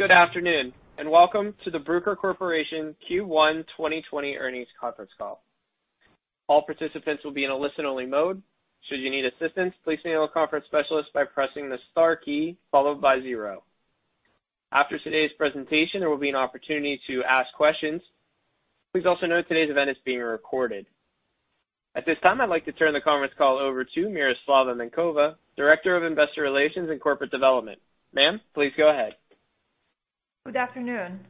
Good afternoon and welcome to the Bruker Corporation Q1 2020 earnings conference call. All participants will be in a listen-only mode. Should you need assistance, please email the conference specialist by pressing the star key followed by zero. After today's presentation, there will be an opportunity to ask questions. Please also note today's event is being recorded. At this time, I'd like to turn the conference call over to Miroslava Minkova, Director of Investor Relations and Corporate Development. Ma'am, please go ahead. Good afternoon.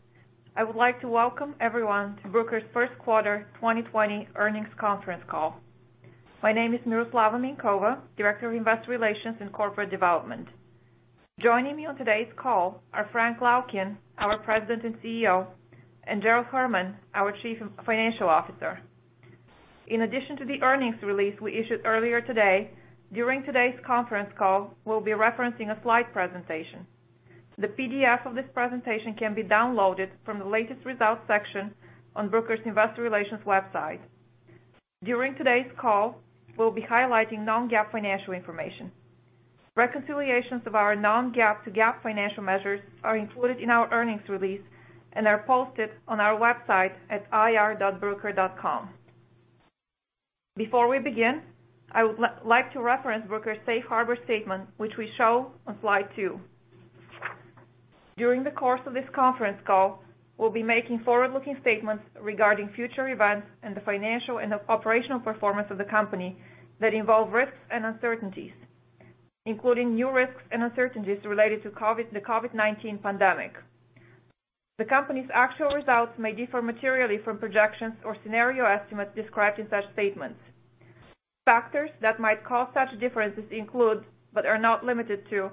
I would like to welcome everyone to Bruker's first quarter 2020 earnings conference call. My name is Miroslava Minkova, Director of Investor Relations and Corporate Development. Joining me on today's call are Frank Laukien, our President and CEO, and Gerald Herman, our Chief Financial Officer. In addition to the earnings release we issued earlier today, during today's conference call, we'll be referencing a slide presentation. The PDF of this presentation can be downloaded from the latest results section on Bruker's Investor Relations website. During today's call, we'll be highlighting non-GAAP financial information. Reconciliations of our non-GAAP to GAAP financial measures are included in our earnings release and are posted on our website at ir.bruker.com. Before we begin, I would like to reference Bruker's safe harbor statement, which we show on slide two. During the course of this conference call, we'll be making forward-looking statements regarding future events and the financial and operational performance of the company that involve risks and uncertainties, including new risks and uncertainties related to the COVID-19 pandemic. The company's actual results may differ materially from projections or scenario estimates described in such statements. Factors that might cause such differences include, but are not limited to,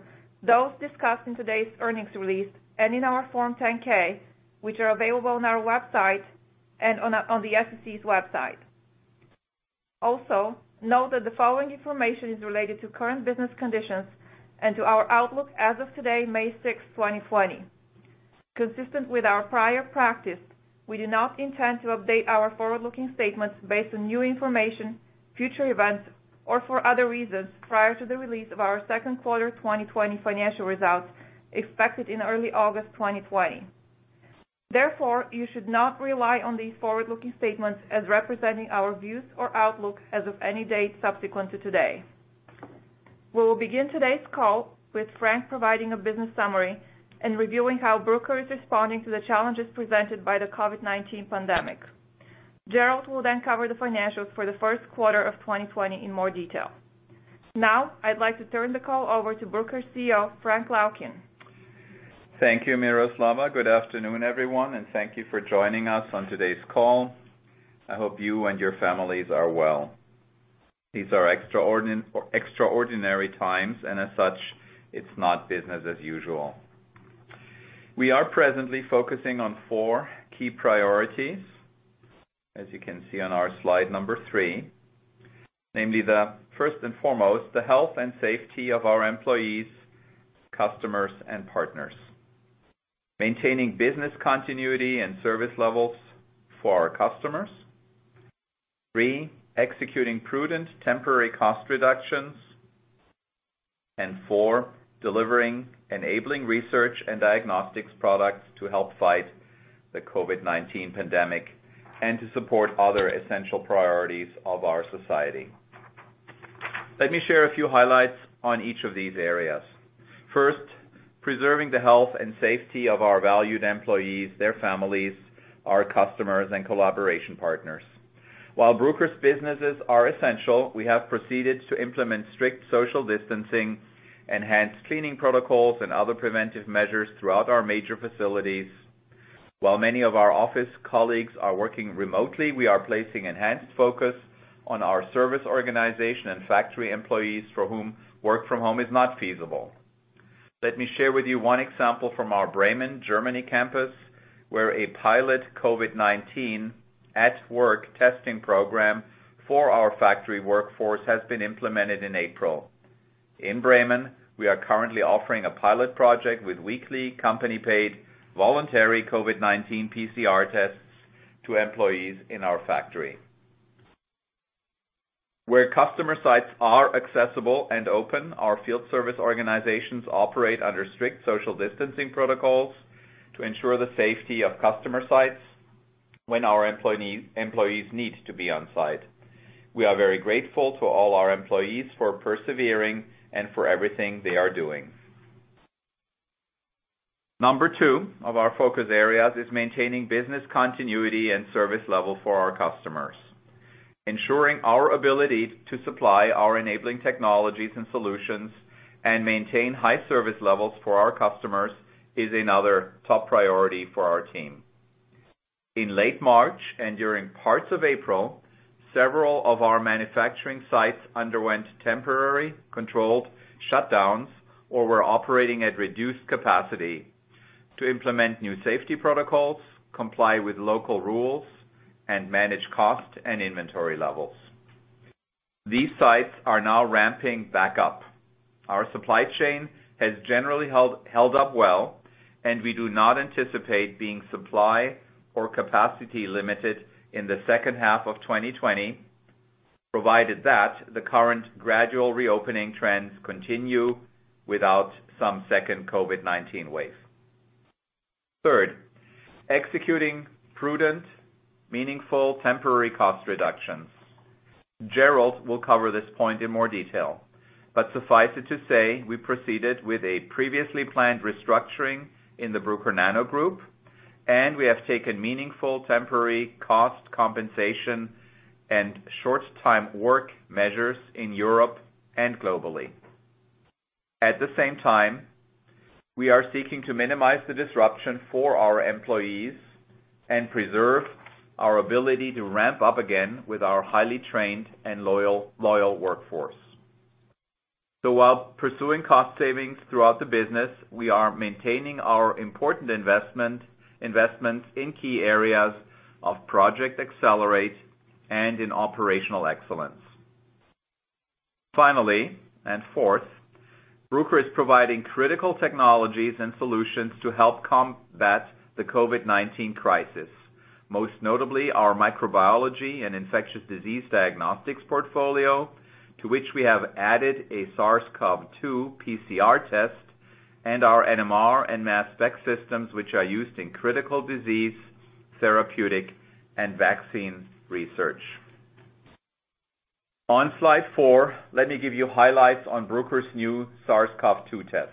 those discussed in today's earnings release and in our Form 10-K, which are available on our website and on the SEC's website. Also, note that the following information is related to current business conditions and to our outlook as of today, May 6, 2020. Consistent with our prior practice, we do not intend to update our forward-looking statements based on new information, future events, or for other reasons prior to the release of our second quarter 2020 financial results expected in early August 2020. Therefore, you should not rely on these forward-looking statements as representing our views or outlook as of any date subsequent to today. We will begin today's call with Frank providing a business summary and reviewing how Bruker is responding to the challenges presented by the COVID-19 pandemic. Gerald will then cover the financials for the first quarter of 2020 in more detail. Now, I'd like to turn the call over to Bruker's CEO, Frank Laukien. Thank you, Miroslava. Good afternoon, everyone, and thank you for joining us on today's call. I hope you and your families are well. These are extraordinary times, and as such, it's not business as usual. We are presently focusing on four key priorities, as you can see on our slide number three, namely, first and foremost, the health and safety of our employees, customers, and partners, maintaining business continuity and service levels for our customers, executing prudent temporary cost reductions, and delivering enabling research and diagnostics products to help fight the COVID-19 pandemic and to support other essential priorities of our society. Let me share a few highlights on each of these areas. First, preserving the health and safety of our valued employees, their families, our customers, and collaboration partners. While Bruker's businesses are essential, we have proceeded to implement strict social distancing, enhanced cleaning protocols, and other preventive measures throughout our major facilities. While many of our office colleagues are working remotely, we are placing enhanced focus on our service organization and factory employees for whom work from home is not feasible. Let me share with you one example from our Bremen, Germany campus, where a pilot COVID-19 at work testing program for our factory workforce has been implemented in April. In Bremen, we are currently offering a pilot project with weekly company-paid voluntary COVID-19 PCR tests to employees in our factory. Where customer sites are accessible and open, our field service organizations operate under strict social distancing protocols to ensure the safety of customer sites when our employees need to be on site. We are very grateful to all our employees for persevering and for everything they are doing. Number two of our focus areas is maintaining business continuity and service level for our customers. Ensuring our ability to supply our enabling technologies and solutions and maintain high service levels for our customers is another top priority for our team. In late March and during parts of April, several of our manufacturing sites underwent temporary controlled shutdowns or were operating at reduced capacity to implement new safety protocols, comply with local rules, and manage cost and inventory levels. These sites are now ramping back up. Our supply chain has generally held up well, and we do not anticipate being supply or capacity limited in the second half of 2020, provided that the current gradual reopening trends continue without some second COVID-19 wave. Third, executing prudent, meaningful temporary cost reductions. Gerald will cover this point in more detail, but suffice it to say we proceeded with a previously planned restructuring in the Bruker Nano Group, and we have taken meaningful temporary cost compensation and short-time work measures in Europe and globally. At the same time, we are seeking to minimize the disruption for our employees and preserve our ability to ramp up again with our highly trained and loyal workforce. So while pursuing cost savings throughout the business, we are maintaining our important investments in key areas of Project Accelerate and in operational excellence. Finally, and fourth, Bruker is providing critical technologies and solutions to help combat the COVID-19 crisis, most notably our microbiology and infectious disease diagnostics portfolio, to which we have added a SARS-CoV-2 PCR test and our NMR and mass spec systems, which are used in critical disease, therapeutic, and vaccine research. On slide four, let me give you highlights on Bruker's new SARS-CoV-2 test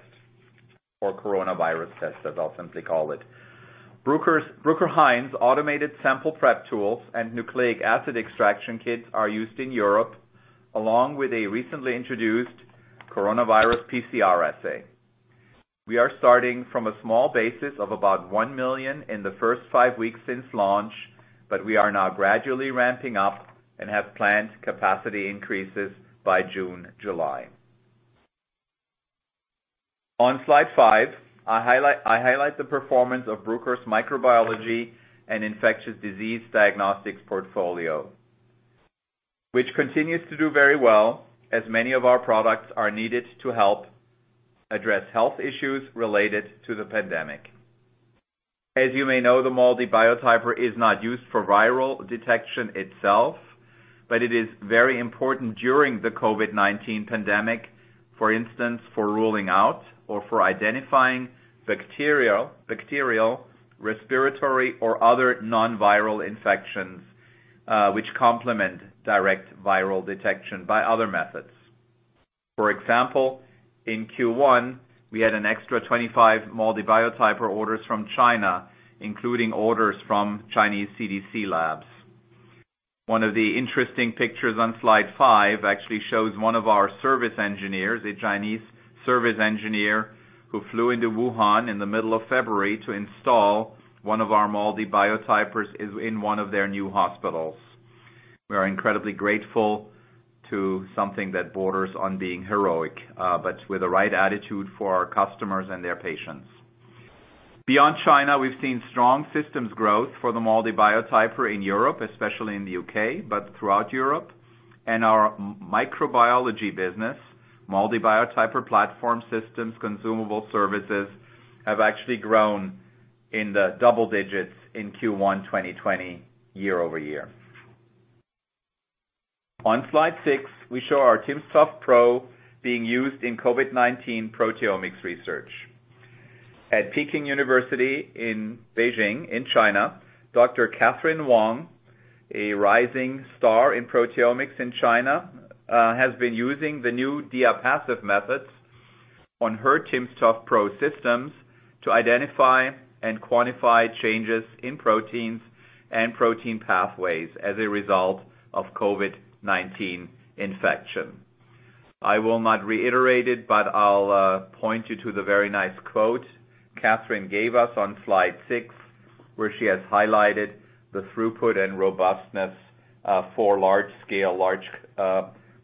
or coronavirus test, as I'll simply call it. Bruker-Hain automated sample prep tools and nucleic acid extraction kits are used in Europe, along with a recently introduced coronavirus PCR assay. We are starting from a small basis of about $1 million in the first five weeks since launch, but we are now gradually ramping up and have planned capacity increases by June/July. On slide five, I highlight the performance of Bruker's microbiology and infectious disease diagnostics portfolio, which continues to do very well as many of our products are needed to help address health issues related to the pandemic. As you may know, the MALDI Biotyper is not used for viral detection itself, but it is very important during the COVID-19 pandemic, for instance, for ruling out or for identifying bacterial, respiratory, or other non-viral infections, which complement direct viral detection by other methods. For example, in Q1, we had an extra 25 MALDI Biotyper orders from China, including orders from Chinese CDC labs. One of the interesting pictures on slide five actually shows one of our service engineers, a Chinese service engineer who flew into Wuhan in the middle of February to install one of our MALDI Biotypers in one of their new hospitals. We are incredibly grateful to something that borders on being heroic, but with the right attitude for our customers and their patients. Beyond China, we've seen strong systems growth for the MALDI Biotyper in Europe, especially in the UK, but throughout Europe, and our microbiology business, MALDI Biotyper platform systems, consumable services have actually grown in the double digits in Q1 2020 year-over-year. On slide six, we show our timsTOF Pro being used in COVID-19 proteomics research. At Peking University in Beijing, in China, Dr. Catherine Wong, a rising star in proteomics in China, has been using the new diaPASEF methods on her timsTOF Pro systems to identify and quantify changes in proteins and protein pathways as a result of COVID-19 infection. I will not reiterate it, but I'll point you to the very nice quote Catherine gave us on slide six, where she has highlighted the throughput and robustness for large-scale, large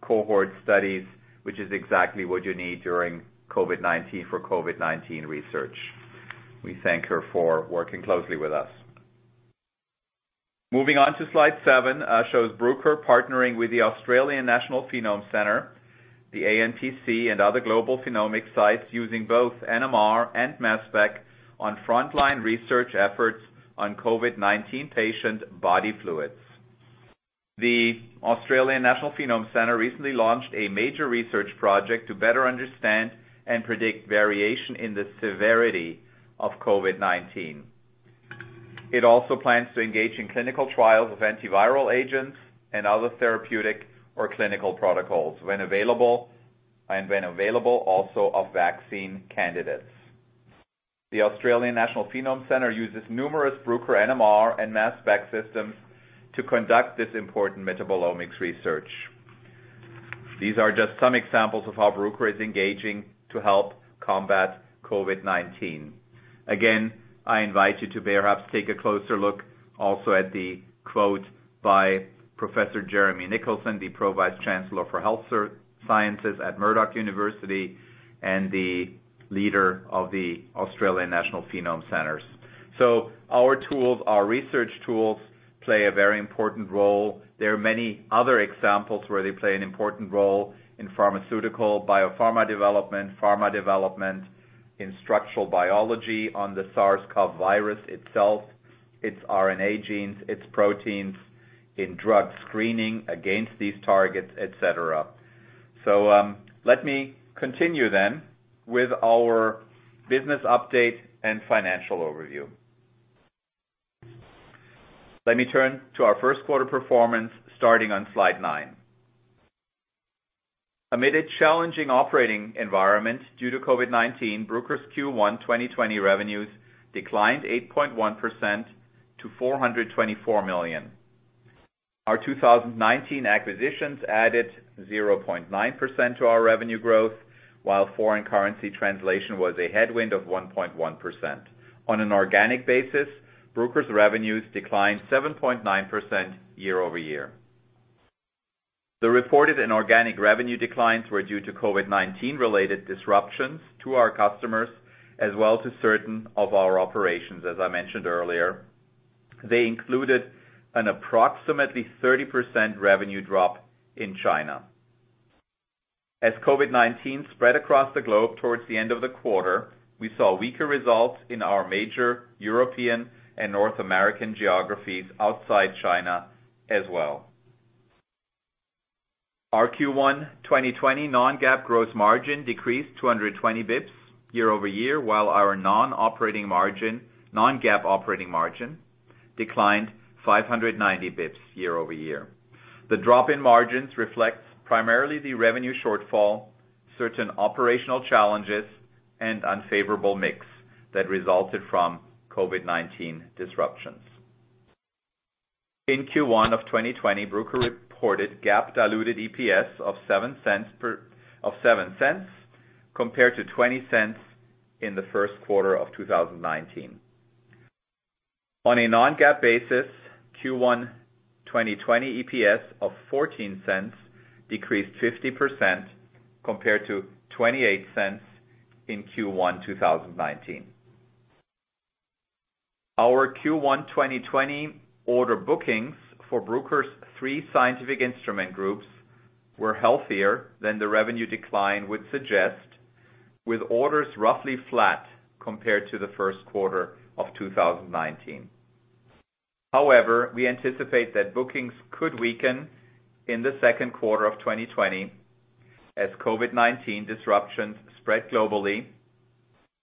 cohort studies, which is exactly what you need during COVID-19 for COVID-19 research. We thank her for working closely with us. Moving on to slide seven, shows Bruker partnering with the Australian National Phenome Centre, the ANPC, and other global phenomic sites using both NMR and mass spec on frontline research efforts on COVID-19 patient body fluids. The Australian National Phenome Centre recently launched a major research project to better understand and predict variation in the severity of COVID-19. It also plans to engage in clinical trials of antiviral agents and other therapeutic or clinical protocols when available and when available also of vaccine candidates. The Australian National Phenome Centre uses numerous Bruker NMR and mass spec systems to conduct this important metabolomics research. These are just some examples of how Bruker is engaging to help combat COVID-19. Again, I invite you to perhaps take a closer look also at the quote by Professor Jeremy Nicholson, the Pro Vice Chancellor for Health Sciences at Murdoch University and the leader of the Australian National Phenome Centre. So our tools, our research tools play a very important role. There are many other examples where they play an important role in pharmaceutical biopharma development, pharma development, in structural biology on the SARS-CoV virus itself, its RNA genes, its proteins, in drug screening against these targets, etc. So let me continue then with our business update and financial overview. Let me turn to our first quarter performance starting on slide nine. Amid a challenging operating environment due to COVID-19, Bruker's Q1 2020 revenues declined 8.1% to $424 million. Our 2019 acquisitions added 0.9% to our revenue growth, while foreign currency translation was a headwind of 1.1%. On an organic basis, Bruker's revenues declined 7.9% year-over-year. The reported inorganic revenue declines were due to COVID-19-related disruptions to our customers as well as to certain of our operations, as I mentioned earlier. They included an approximately 30% revenue drop in China. As COVID-19 spread across the globe towards the end of the quarter, we saw weaker results in our major European and North American geographies outside China as well. Our Q1 2020 non-GAAP gross margin decreased 220 basis points year-over-year, while our non-GAAP operating margin declined 590 basis points year-over-year. The drop in margins reflects primarily the revenue shortfall, certain operational challenges, and unfavorable mix that resulted from COVID-19 disruptions. In Q1 of 2020, Bruker reported GAAP diluted EPS of $0.07 compared to $0.20 in the first quarter of 2019. On a non-GAAP basis, Q1 2020 EPS of $0.14 decreased 50% compared to $0.28 in Q1 2019. Our Q1 2020 order bookings for Bruker's three scientific instrument groups were healthier than the revenue decline would suggest, with orders roughly flat compared to the first quarter of 2019. However, we anticipate that bookings could weaken in the second quarter of 2020 as COVID-19 disruptions spread globally,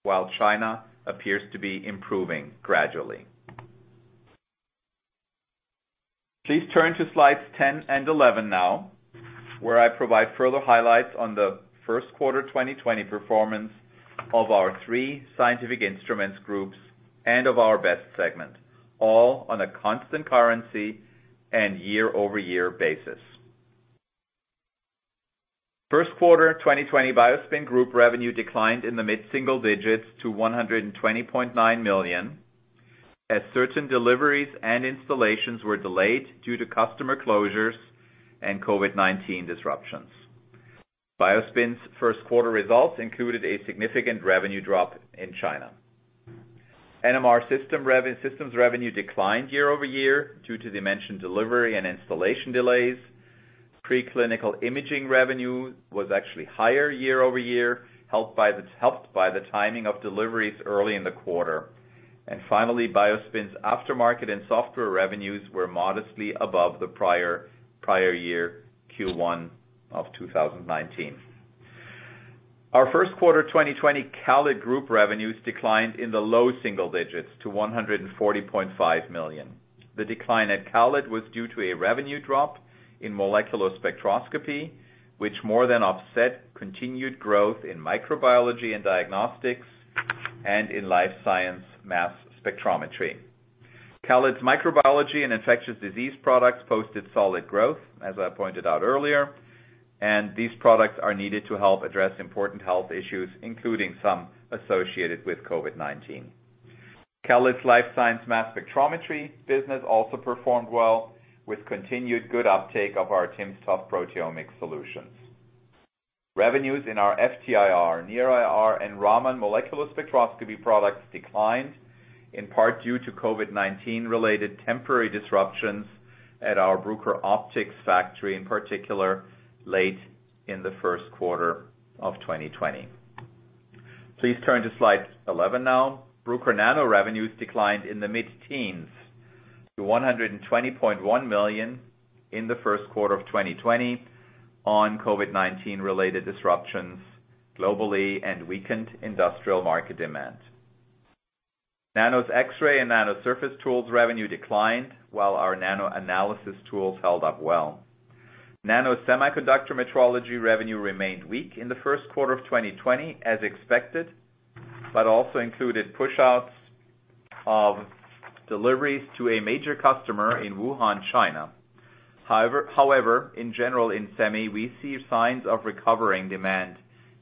while China appears to be improving gradually. Please turn to slides 10 and 11 now, where I provide further highlights on the first quarter 2020 performance of our three scientific instruments groups and of our BEST segment, all on a constant currency and year-over-year basis. First quarter 2020, BioSpin Group revenue declined in the mid-single digits to $120.9 million as certain deliveries and installations were delayed due to customer closures and COVID-19 disruptions. BioSpin's first quarter results included a significant revenue drop in China. NMR systems revenue declined year-over-year due to the mentioned delivery and installation delays. Pre-clinical imaging revenue was actually higher year-over-year, helped by the timing of deliveries early in the quarter. And finally, BioSpin's aftermarket and software revenues were modestly above the prior year Q1 of 2019. Our first quarter 2020 CALID Group revenues declined in the low single digits to $140.5 million. The decline at CALID was due to a revenue drop in molecular spectroscopy, which more than offset continued growth in microbiology and diagnostics and in life science mass spectrometry. CALID's microbiology and infectious disease products posted solid growth, as I pointed out earlier, and these products are needed to help address important health issues, including some associated with COVID-19. CALID's life science mass spectrometry business also performed well with continued good uptake of our timsTOF proteomic solutions. Revenues in our FTIR, NIR, and Raman molecular spectroscopy products declined in part due to COVID-19-related temporary disruptions at our Bruker Optics factory, in particular, late in the first quarter of 2020. Please turn to slide 11 now. Bruker Nano revenues declined in the mid-teens to $120.1 million in the first quarter of 2020 on COVID-19-related disruptions globally and weakened industrial market demand. Nano's X-ray and nanosurface tools revenue declined, while our nano analysis tools held up well. Nano's Semiconductor Metrology revenue remained weak in the first quarter of 2020, as expected, but also included push-outs of deliveries to a major customer in Wuhan, China. However, in general, in semi, we see signs of recovering demand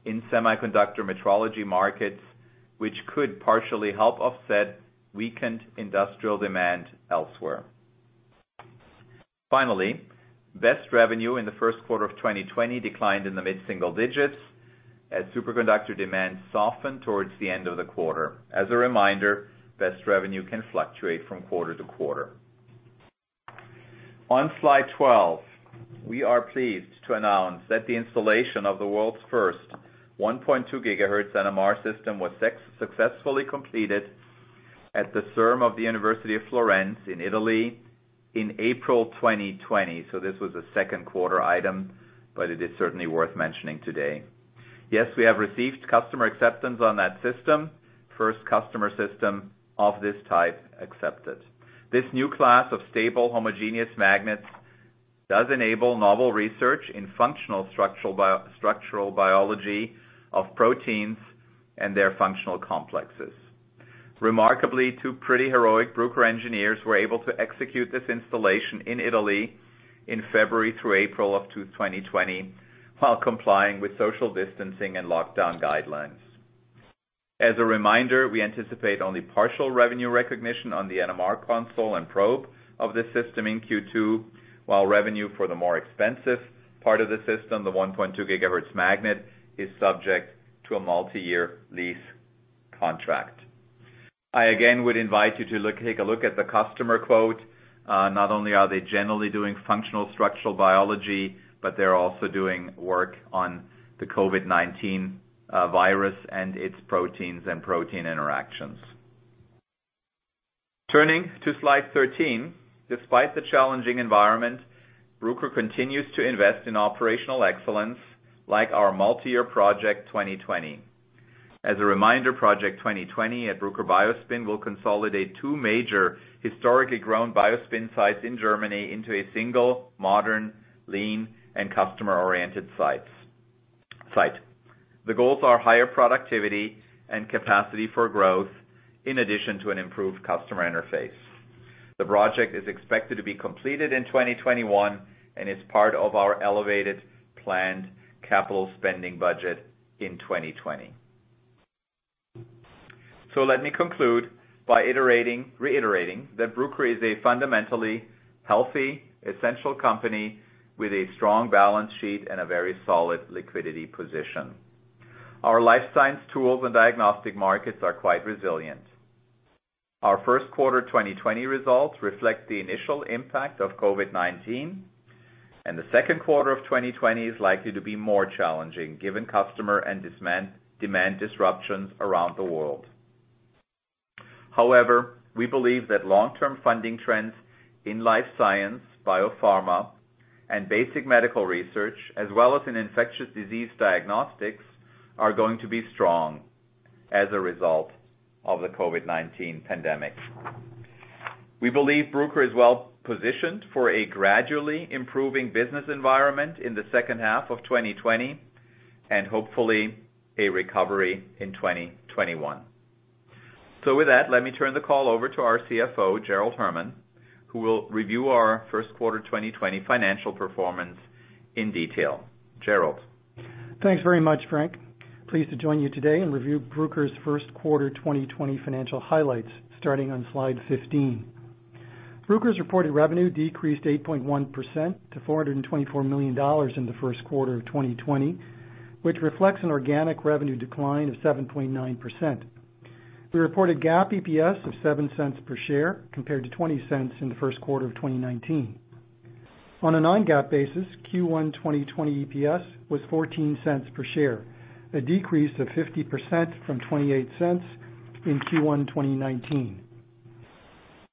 in Semiconductor Metrology markets, which could partially help offset weakened industrial demand elsewhere. Finally, BEST revenue in the first quarter of 2020 declined in the mid-single digits as superconductor demand softened towards the end of the quarter. As a reminder, BEST revenue can fluctuate from quarter-to-quarter. On slide 12, we are pleased to announce that the installation of the world's first 1.2 gigahertz NMR system was successfully completed at the CERM of the University of Florence in Italy in April 2020, so this was a second quarter item, but it is certainly worth mentioning today. Yes, we have received customer acceptance on that system, first customer system of this type accepted. This new class of stable homogeneous magnets does enable novel research in functional structural biology of proteins and their functional complexes. Remarkably, two pretty heroic Bruker engineers were able to execute this installation in Italy in February through April of 2020 while complying with social distancing and lockdown guidelines. As a reminder, we anticipate only partial revenue recognition on the NMR console and probe of the system in Q2, while revenue for the more expensive part of the system, the 1.2 gigahertz magnet, is subject to a multi-year lease contract. I again would invite you to take a look at the customer quote. Not only are they generally doing functional structural biology, but they're also doing work on the COVID-19 virus and its proteins and protein interactions. Turning to slide 13, despite the challenging environment, Bruker continues to invest in operational excellence like our multi-year Project 2020. As a reminder, Project 2020 at Bruker BioSpin will consolidate two major historically grown BioSpin sites in Germany into a single modern, lean, and customer-oriented site. The goals are higher productivity and capacity for growth in addition to an improved customer interface. The project is expected to be completed in 2021 and is part of our elevated planned capital spending budget in 2020. So let me conclude by reiterating that Bruker is a fundamentally healthy, essential company with a strong balance sheet and a very solid liquidity position. Our life science tools and diagnostic markets are quite resilient. Our first quarter 2020 results reflect the initial impact of COVID-19, and the second quarter of 2020 is likely to be more challenging given customer and demand disruptions around the world. However, we believe that long-term funding trends in life science, biopharma, and basic medical research, as well as in infectious disease diagnostics, are going to be strong as a result of the COVID-19 pandemic. We believe Bruker is well positioned for a gradually improving business environment in the second half of 2020 and hopefully a recovery in 2021. With that, let me turn the call over to our CFO, Gerald Herman, who will review our first quarter 2020 financial performance in detail. Gerald. Thanks very much, Frank. Pleased to join you today and review Bruker's first quarter 2020 financial highlights starting on slide 15. Bruker's reported revenue decreased 8.1% to $424 million in the first quarter of 2020, which reflects an organic revenue decline of 7.9%. We reported GAAP EPS of $0.07 per share compared to $0.20 in the first quarter of 2019. On a non-GAAP basis, Q1 2020 EPS was $0.14 per share, a decrease of 50% from $0.28 in Q1 2019.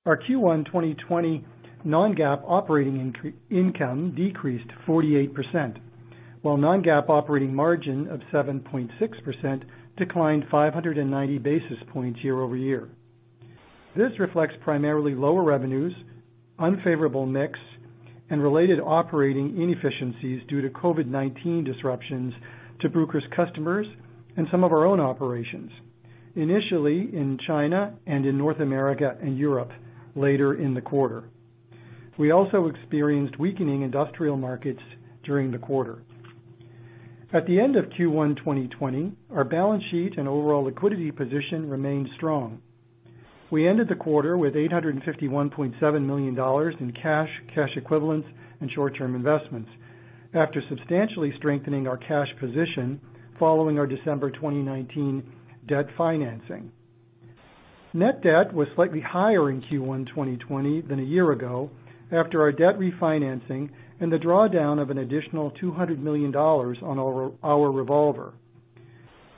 Our Q1 2020 non-GAAP operating income decreased 48%, while non-GAAP operating margin of 7.6% declined 590 basis points year-over-year. This reflects primarily lower revenues, unfavorable mix, and related operating inefficiencies due to COVID-19 disruptions to Bruker's customers and some of our own operations, initially in China and in North America and Europe later in the quarter. We also experienced weakening industrial markets during the quarter. At the end of Q1 2020, our balance sheet and overall liquidity position remained strong. We ended the quarter with $851.7 million in cash, cash equivalents, and short-term investments after substantially strengthening our cash position following our December 2019 debt financing. Net debt was slightly higher in Q1 2020 than a year ago after our debt refinancing and the drawdown of an additional $200 million on our revolver.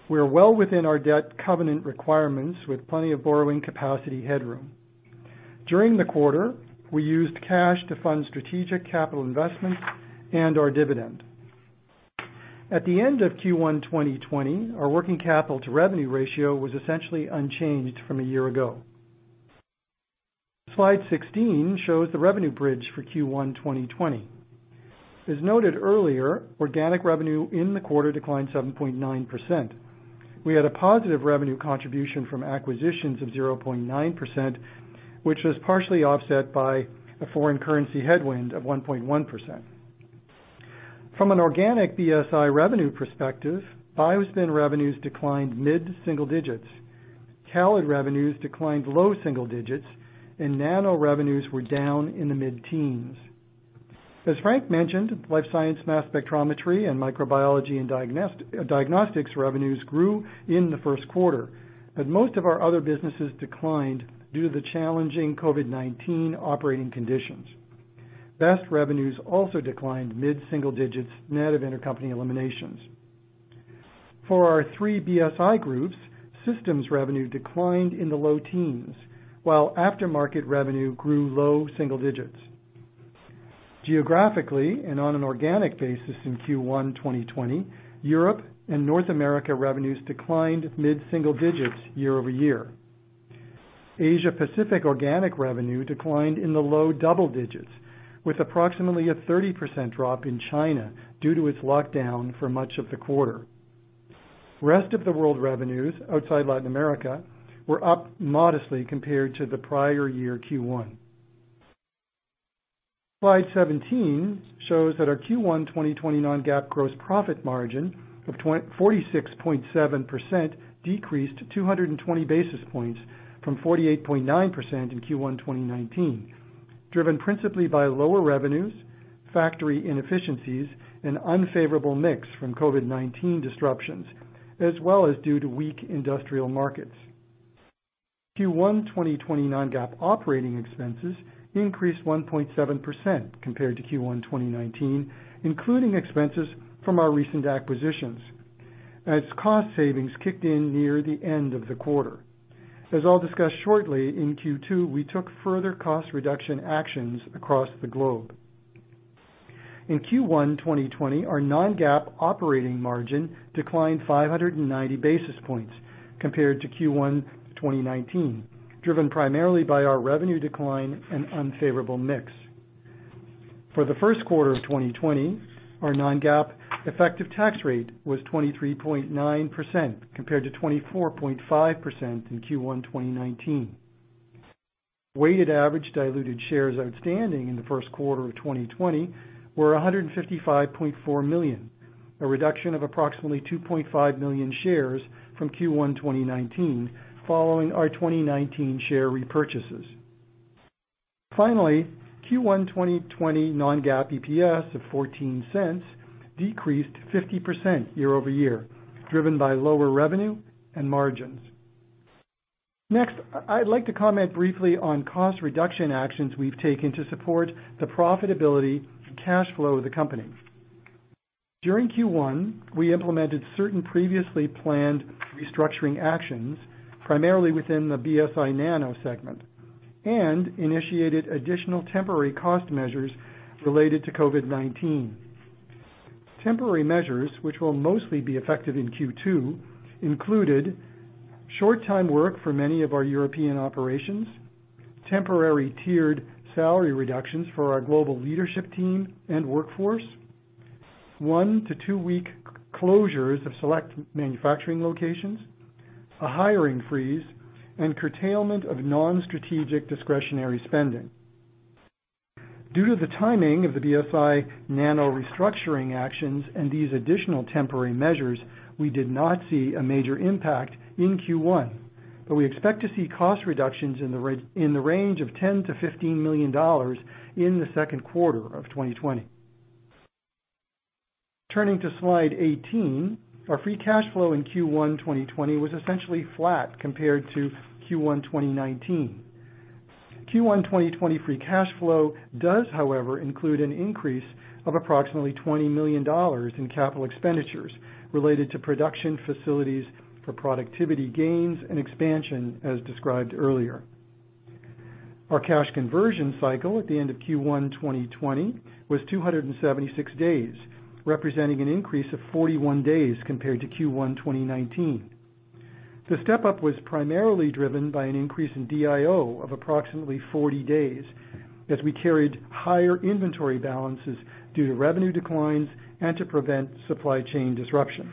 We are well within our debt covenant requirements with plenty of borrowing capacity headroom. During the quarter, we used cash to fund strategic capital investments and our dividend. At the end of Q1 2020, our working capital to revenue ratio was essentially unchanged from a year ago. Slide 16 shows the revenue bridge for Q1 2020. As noted earlier, organic revenue in the quarter declined 7.9%. We had a positive revenue contribution from acquisitions of 0.9%, which was partially offset by a foreign currency headwind of 1.1%. From an organic BSI revenue perspective, BioSpin revenues declined mid-single digits. CALID revenues declined low single digits, and Nano revenues were down in the mid-teens. As Frank mentioned, life science mass spectrometry and microbiology and diagnostics revenues grew in the first quarter, but most of our other businesses declined due to the challenging COVID-19 operating conditions. BSI revenues also declined mid-single digits net of intercompany eliminations. For our three BSI groups, systems revenue declined in the low teens, while aftermarket revenue grew low single digits. Geographically and on an organic basis in Q1 2020, Europe and North America revenues declined mid-single digits year-over-year. Asia-Pacific organic revenue declined in the low double digits, with approximately a 30% drop in China due to its lockdown for much of the quarter. Rest of the world revenues, outside Latin America, were up modestly compared to the prior year Q1. Slide 17 shows that our Q1 2020 non-GAAP gross profit margin of 46.7% decreased 220 basis points from 48.9% in Q1 2019, driven principally by lower revenues, factory inefficiencies, and unfavorable mix from COVID-19 disruptions, as well as due to weak industrial markets. Q1 2020 non-GAAP operating expenses increased 1.7% compared to Q1 2019, including expenses from our recent acquisitions, as cost savings kicked in near the end of the quarter. As I'll discuss shortly, in Q2, we took further cost reduction actions across the globe. In Q1 2020, our non-GAAP operating margin declined 590 basis points compared to Q1 2019, driven primarily by our revenue decline and unfavorable mix. For the first quarter of 2020, our non-GAAP effective tax rate was 23.9% compared to 24.5% in Q1 2019. Weighted average diluted shares outstanding in the first quarter of 2020 were 155.4 million, a reduction of approximately 2.5 million shares from Q1 2019 following our 2019 share repurchases. Finally, Q1 2020 non-GAAP EPS of $0.14 decreased 50% year-over-year, driven by lower revenue and margins. Next, I'd like to comment briefly on cost reduction actions we've taken to support the profitability and cash flow of the company. During Q1, we implemented certain previously planned restructuring actions, primarily within the BSI Nano segment, and initiated additional temporary cost measures related to COVID-19. Temporary measures, which will mostly be effective in Q2, included short-time work for many of our European operations, temporary tiered salary reductions for our global leadership team and workforce, one- to two-week closures of select manufacturing locations, a hiring freeze, and curtailment of non-strategic discretionary spending. Due to the timing of the Bruker Nano restructuring actions and these additional temporary measures, we did not see a major impact in Q1, but we expect to see cost reductions in the range of $10 to $15 million in the second quarter of 2020. Turning to slide 18, our free cash flow in Q1 2020 was essentially flat compared to Q1 2019. Q1 2020 free cash flow does, however, include an increase of approximately $20 million in capital expenditures related to production facilities for productivity gains and expansion, as described earlier. Our cash conversion cycle at the end of Q1 2020 was 276 days, representing an increase of 41 days compared to Q1 2019. The step-up was primarily driven by an increase in DIO of approximately 40 days as we carried higher inventory balances due to revenue declines and to prevent supply chain disruptions.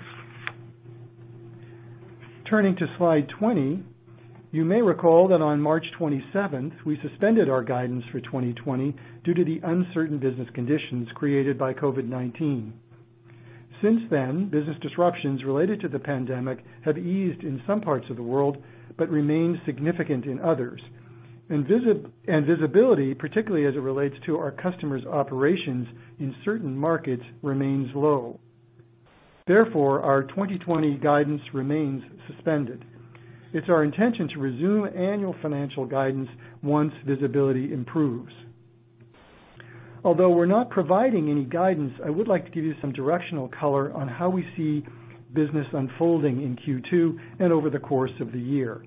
Turning to slide 20, you may recall that on March 27th, we suspended our guidance for 2020 due to the uncertain business conditions created by COVID-19. Since then, business disruptions related to the pandemic have eased in some parts of the world but remained significant in others, and visibility, particularly as it relates to our customers' operations in certain markets, remains low. Therefore, our 2020 guidance remains suspended. It's our intention to resume annual financial guidance once visibility improves. Although we're not providing any guidance, I would like to give you some directional color on how we see business unfolding in Q2 and over the course of the year.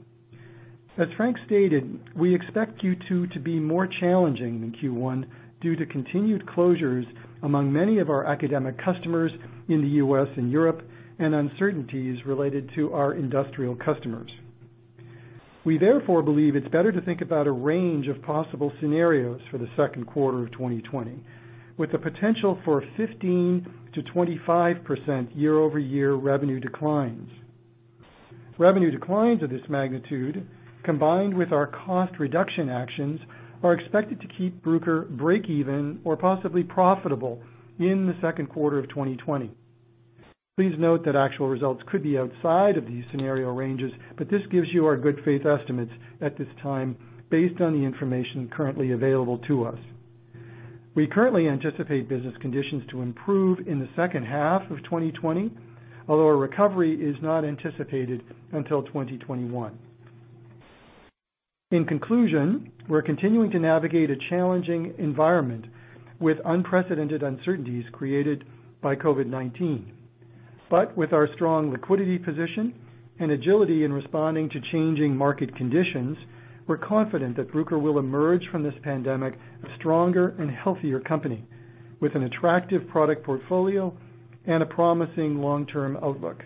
As Frank stated, we expect Q2 to be more challenging than Q1 due to continued closures among many of our academic customers in the U.S. and Europe and uncertainties related to our industrial customers. We, therefore, believe it's better to think about a range of possible scenarios for the second quarter of 2020, with the potential for 15% to 25% year-over-year revenue declines. Revenue declines of this magnitude, combined with our cost reduction actions, are expected to keep Bruker break-even or possibly profitable in the second quarter of 2020. Please note that actual results could be outside of these scenario ranges, but this gives you our good faith estimates at this time based on the information currently available to us. We currently anticipate business conditions to improve in the second half of 2020, although a recovery is not anticipated until 2021. In conclusion, we're continuing to navigate a challenging environment with unprecedented uncertainties created by COVID-19. But with our strong liquidity position and agility in responding to changing market conditions, we're confident that Bruker will emerge from this pandemic a stronger and healthier company with an attractive product portfolio and a promising long-term outlook.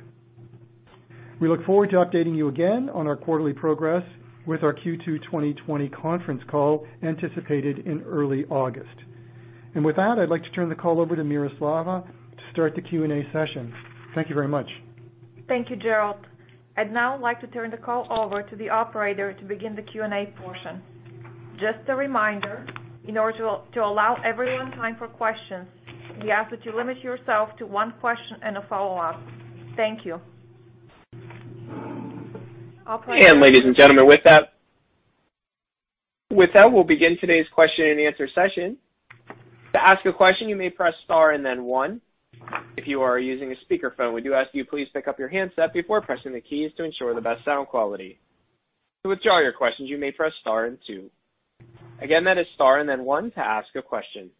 We look forward to updating you again on our quarterly progress with our Q2 2020 conference call anticipated in early August. And with that, I'd like to turn the call over to Miroslava to start the Q&A session. Thank you very much. Thank you, Gerald. I'd now like to turn the call over to the operator to begin the Q&A portion. Just a reminder, in order to allow everyone time for questions, we ask that you limit yourself to 1Question and a follow-up. Thank you. Ladies and gentlemen, with that, we'll begin today's question and answer session. To ask a question, you may press star and then one. If you are using a speakerphone, we do ask that you please pick up your handset before pressing the keys to ensure the best sound quality. To withdraw your questions, you may press star and two. Again, that is star and then one to ask a question.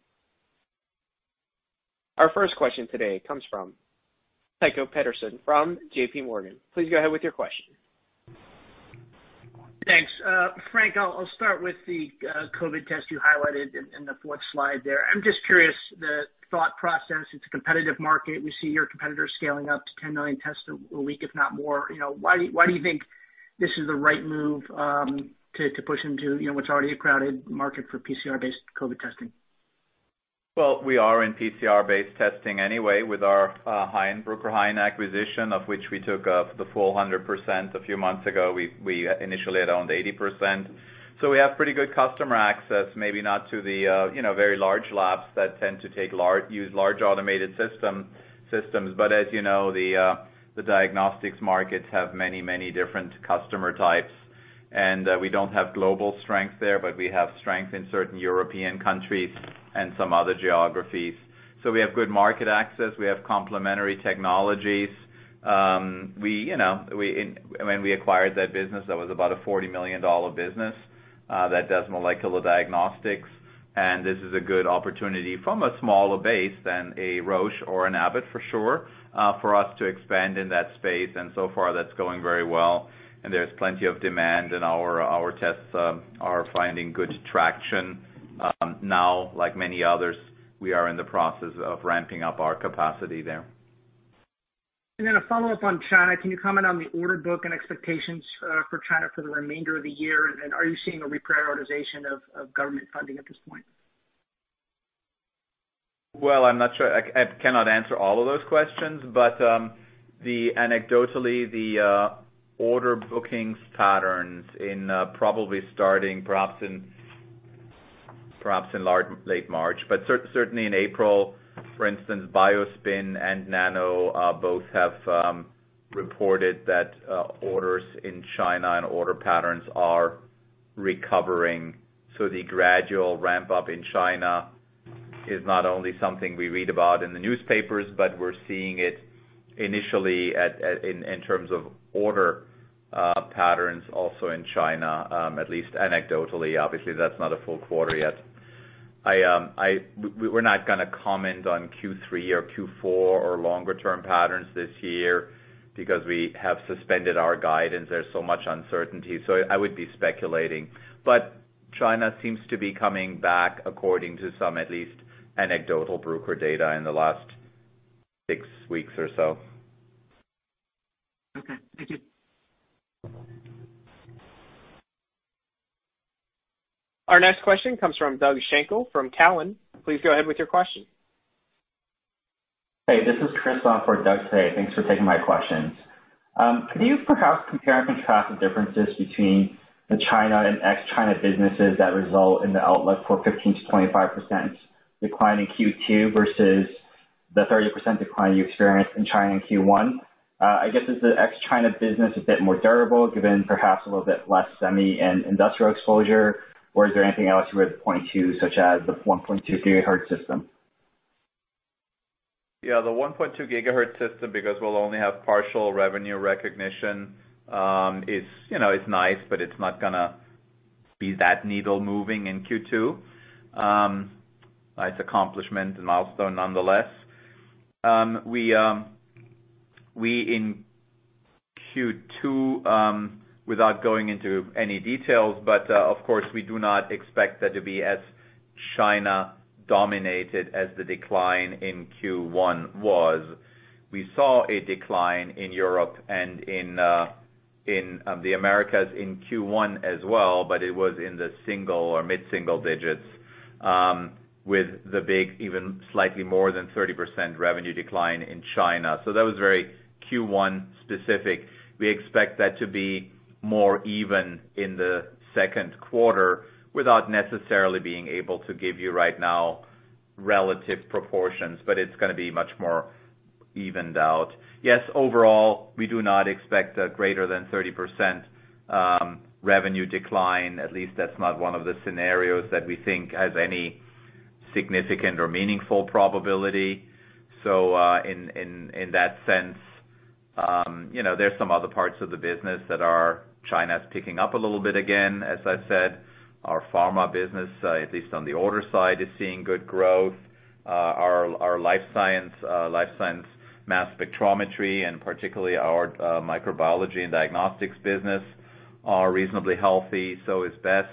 Our first question today comes from Tycho Peterson from JPMorgan. Please go ahead with your question. Thanks. Frank, I'll start with the COVID test you highlighted in the fourth slide there. I'm just curious, the thought process. It's a competitive market. We see your competitors scaling up to 10 million tests a week, if not more. Why do you think this is the right move to push into what's already a crowded market for PCR-based COVID testing? Well, we are in PCR-based testing anyway with our Bruker-Hain acquisition, of which we took the full 100% a few months ago. We initially had owned 80%.So we have pretty good customer access, maybe not to the very large labs that tend to use large automated systems. But as you know, the diagnostics markets have many, many different customer types. And we don't have global strength there, but we have strength in certain European countries and some other geographies. So we have good market access. We have complementary technologies. When we acquired that business, that was about a $40 million business that does molecular diagnostics. And this is a good opportunity from a smaller base than a Roche or an Abbott for sure for us to expand in that space. And so far, that's going very well. And there's plenty of demand, and our tests are finding good traction. Now, like many others, we are in the process of ramping up our capacity there. And then a follow-up on China. Can you comment on the order book and expectations for China for the remainder of the year? And are you seeing a reprioritization of government funding at this point? Well, I'm not sure. I cannot answer all of those questions, but anecdotally, the order bookings patterns in probably starting perhaps in late March, but certainly in April, for instance, BioSpin and Nano both have reported that orders in China and order patterns are recovering. So the gradual ramp-up in China is not only something we read about in the newspapers, but we're seeing it initially in terms of order patterns also in China, at least anecdotally. Obviously, that's not a full quarter yet. We're not going to comment on Q3 or Q4 or longer-term patterns this year because we have suspended our guidance. There's so much uncertainty. So I would be speculating. But China seems to be coming back according to some, at least anecdotal, Bruker data in the last six weeks or so. Okay. Thank you. Our next question comes from Doug Schenkel from Cowen. Please go ahead with your question. Hey, this is Chris for Doug today. Thanks for taking my questions. Could you perhaps compare and contrast the differences between the China and ex-China businesses that result in the outlook for 15% to 25% decline in Q2 versus the 30% decline you experienced in China in Q1? I guess, is the ex-China business a bit more durable given perhaps a little bit less semi and industrial exposure? Or is there anything else you would point to, such as the 1.2 gigahertz system? Yeah, the 1.2 gigahertz system because we'll only have partial revenue recognition is nice, but it's not going to be that needle-moving in Q2. Nice accomplishment and milestone nonetheless. In Q2, without going into any details, but of course, we do not expect that to be as China-dominated as the decline in Q1 was. We saw a decline in Europe and in the Americas in Q1 as well, but it was in the single or mid-single digits with the big even slightly more than 30% revenue decline in China. So that was very Q1 specific. We expect that to be more even in the second quarter without necessarily being able to give you right now relative proportions, but it's going to be much more evened out. Yes, overall, we do not expect a greater than 30% revenue decline. At least that's not one of the scenarios that we think has any significant or meaningful probability. So in that sense, there's some other parts of the business that are China's picking up a little bit again, as I said. Our pharma business, at least on the order side, is seeing good growth. Our life science mass spectrometry, and particularly our microbiology and diagnostics business, are reasonably healthy, so is best.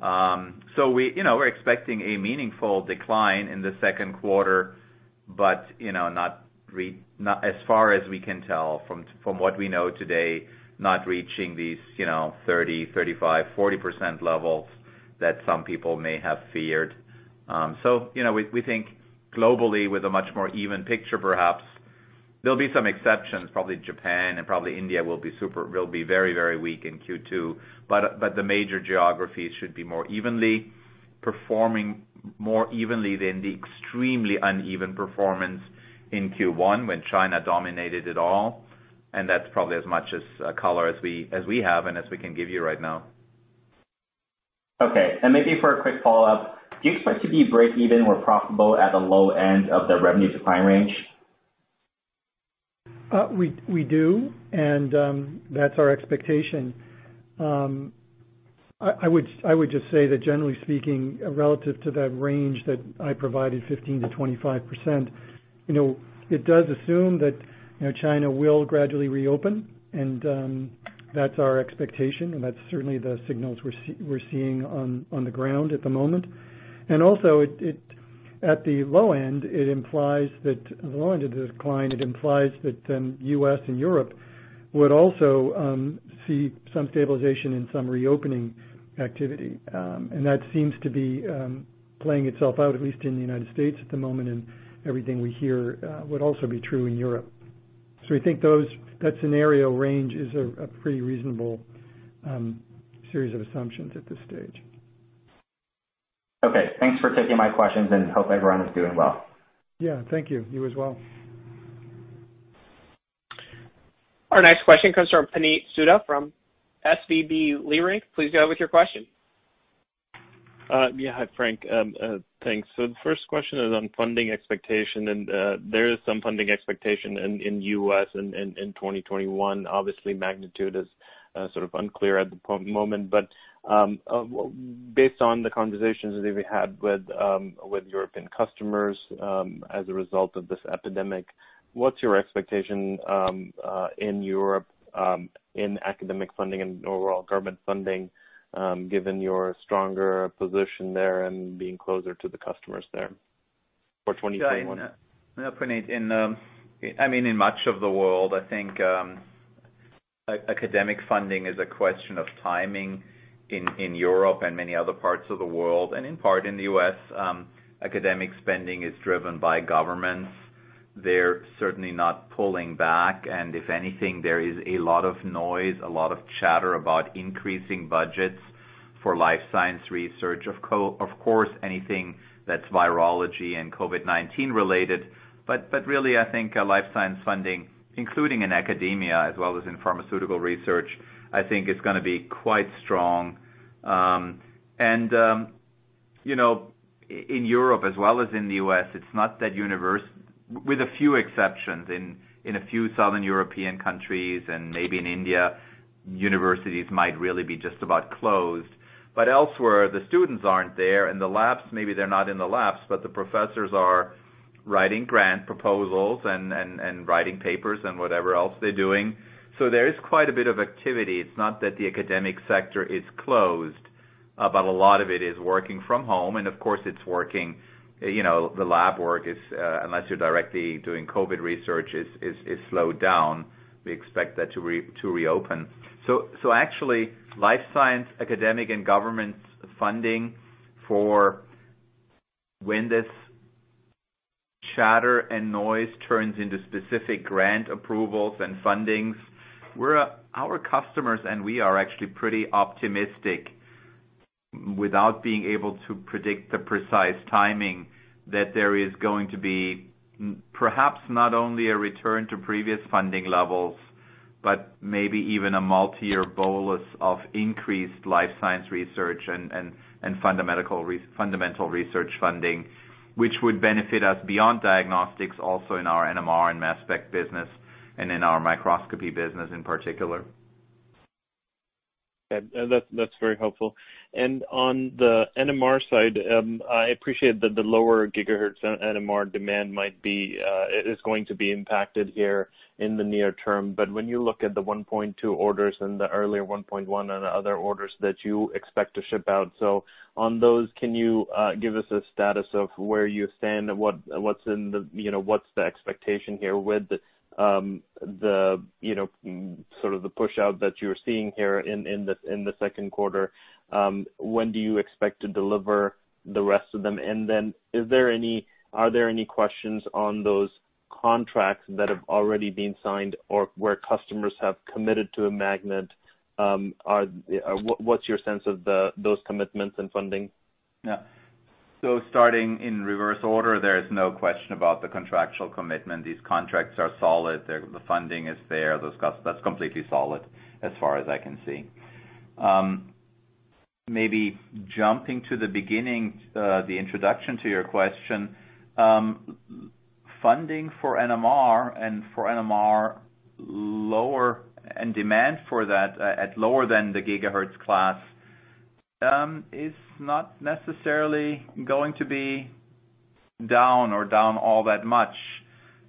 So we're expecting a meaningful decline in the second quarter, but not as far as we can tell from what we know today, not reaching these 30%, 35%, 40% levels that some people may have feared. So we think globally, with a much more even picture, perhaps there'll be some exceptions. Probably Japan and probably India will be very, very weak in Q2. But the major geographies should be more evenly performing, more evenly than the extremely uneven performance in Q1 when China dominated it all. And that's probably as much as color as we have and as we can give you right now. Okay. And maybe for a quick follow-up, do you expect to be break-even or profitable at the low end of the revenue decline range? We do, and that's our expectation. I would just say that, generally speaking, relative to that range that I provided, 15% to 25%, it does assume that China will gradually reopen. And that's our expectation, and that's certainly the signals we're seeing on the ground at the moment. And also, at the low end, it implies that the low end of the decline, it implies that U.S. and Europe would also see some stabilization in some reopening activity. And that seems to be playing itself out, at least in the United States at the moment, and everything we hear would also be true in Europe. So we think that scenario range is a pretty reasonable series of assumptions at this stage. Okay. Thanks for taking my questions and hope everyone is doing well. Yeah. Thank you. You as well. Our next question comes from Puneet Souda from SVB Leerink. Please go ahead with your question. Yeah. Hi, Frank. Thanks. So the first question is on funding expectation. And there is some funding expectation in the U.S. in 2021. Obviously, magnitude is sort of unclear at the moment. But based on the conversations that we've had with European customers as a result of this epidemic, what's your expectation in Europe in academic funding and overall government funding given your stronger position there and being closer to the customers there for 2021? Sorry. No, Puneet. I mean, in much of the world, I think academic funding is a question of timing in Europe and many other parts of the world. And in part in the U.S., academic spending is driven by governments. They're certainly not pulling back. And if anything, there is a lot of noise, a lot of chatter about increasing budgets for life science research. Of course, anything that's virology and COVID-19 related. But really, I think life science funding, including in academia as well as in pharmaceutical research, I think is going to be quite strong. And in Europe, as well as in the US, it's not that universe. With a few exceptions, in a few southern European countries and maybe in India, universities might really be just about closed. But elsewhere, the students aren't there. And the labs, maybe they're not in the labs, but the professors are writing grant proposals and writing papers and whatever else they're doing. So there is quite a bit of activity. It's not that the academic sector is closed, but a lot of it is working from home. And of course, it's working. The lab work, unless you're directly doing COVID research, is slowed down. We expect that to reopen. So actually, life science, academic, and government funding for when this chatter and noise turns into specific grant approvals and fundings, our customers and we are actually pretty optimistic without being able to predict the precise timing that there is going to be perhaps not only a return to previous funding levels, but maybe even a multi-year bolus of increased life science research and fundamental research funding, which would benefit us beyond diagnostics also in our NMR and mass spec business and in our microscopy business in particular. Yeah. That's very helpful. And on the NMR side, I appreciate that the lower gigahertz NMR demand is going to be impacted here in the near term. But when you look at the 1.2 orders and the earlier 1.1 and other orders that you expect to ship out, so on those, can you give us a status of where you stand? What's the expectation here with the sort of the push-out that you're seeing here in the second quarter? When do you expect to deliver the rest of them? And then are there any questions on those contracts that have already been signed or where customers have committed to a magnet? What's your sense of those commitments and funding? Yeah. Starting in reverse order, there is no question about the contractual commitment. These contracts are solid. The funding is there. That's completely solid as far as I can see. Maybe jumping to the beginning, the introduction to your question, funding for NMR and for NMR lower and demand for that at lower than the gigahertz class is not necessarily going to be down or down all that much.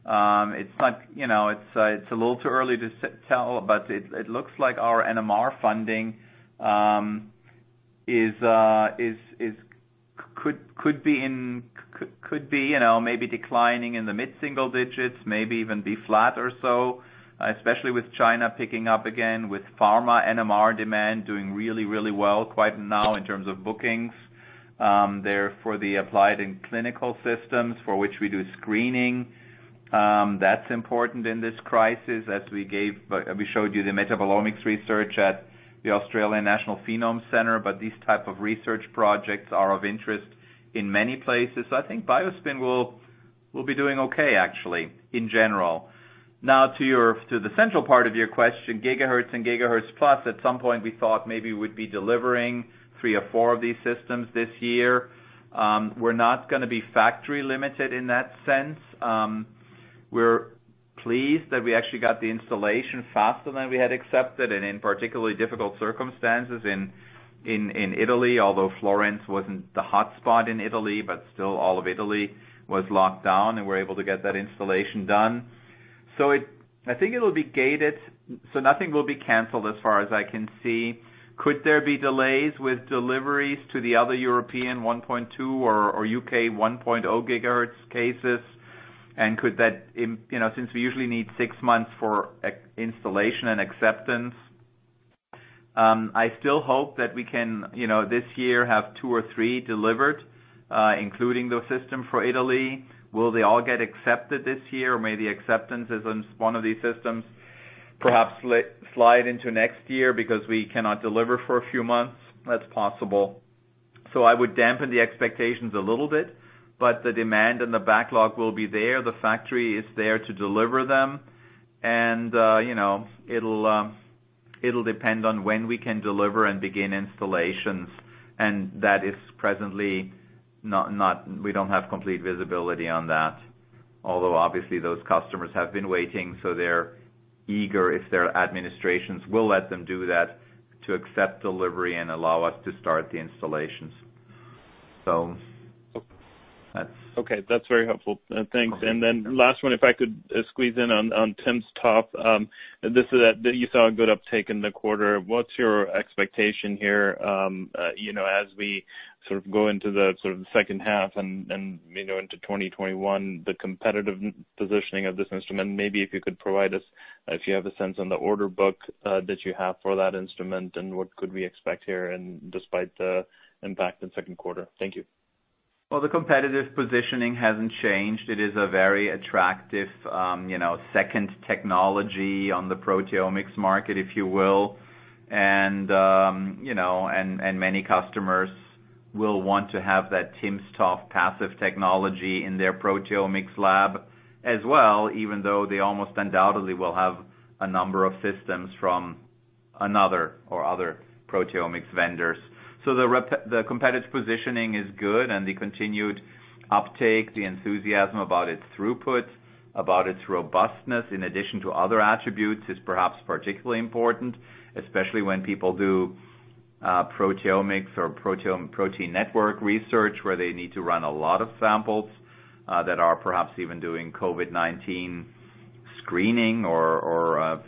It's a little too early to tell, but it looks like our NMR funding could be maybe declining in the mid-single digits, maybe even be flat or so, especially with China picking up again with pharma NMR demand doing really, really well right now in terms of bookings. Therefore, the applied and clinical systems for which we do screening, that's important in this crisis as we showed you the metabolomics research at the Australian National Phenome Centre, but these types of research projects are of interest in many places, so I think BioSpin will be doing okay, actually, in general. Now, to the central part of your question, gigahertz and gigahertz plus, at some point, we thought maybe we would be delivering three or four of these systems this year. We're not going to be factory limited in that sense. We're pleased that we actually got the installation faster than we had expected and in particularly difficult circumstances in Italy, although Florence wasn't the hotspot in Italy, but still all of Italy was locked down and we're able to get that installation done. So I think it will be great. So nothing will be canceled as far as I can see. Could there be delays with deliveries to the other European 1.2 or UK 1.0 gigahertz cases? And could that, since we usually need six months for installation and acceptance, I still hope that we can this year have two or three delivered, including those systems for Italy. Will they all get accepted this year? Or maybe acceptance is one of these systems perhaps slide into next year because we cannot deliver for a few months. That's possible. So I would dampen the expectations a little bit, but the demand and the backlog will be there. The factory is there to deliver them. And it'll depend on when we can deliver and begin installations. And that is presently, we don't have complete visibility on that. Although, obviously, those customers have been waiting, so they're eager if their administrations will let them do that to accept delivery and allow us to start the installations. So that's. Okay. That's very helpful. Thanks. And then last one, if I could squeeze in on timsTOF, this is that you saw a good uptake in the quarter. What's your expectation here as we sort of go into the sort of second half and into 2021, the competitive positioning of this instrument? Maybe if you could provide us, if you have a sense on the order book that you have for that instrument and what could we expect here despite the impact in second quarter? Thank you. The competitive positioning hasn't changed. It is a very attractive second technology on the proteomics market, if you will. And many customers will want to have that timsTOF Pro technology in their proteomics lab as well, even though they almost undoubtedly will have a number of systems from another or other proteomics vendors. So the competitive positioning is good, and the continued uptake, the enthusiasm about its throughput, about its robustness in addition to other attributes is perhaps particularly important, especially when people do proteomics or protein network research where they need to run a lot of samples that are perhaps even doing COVID-19 screening or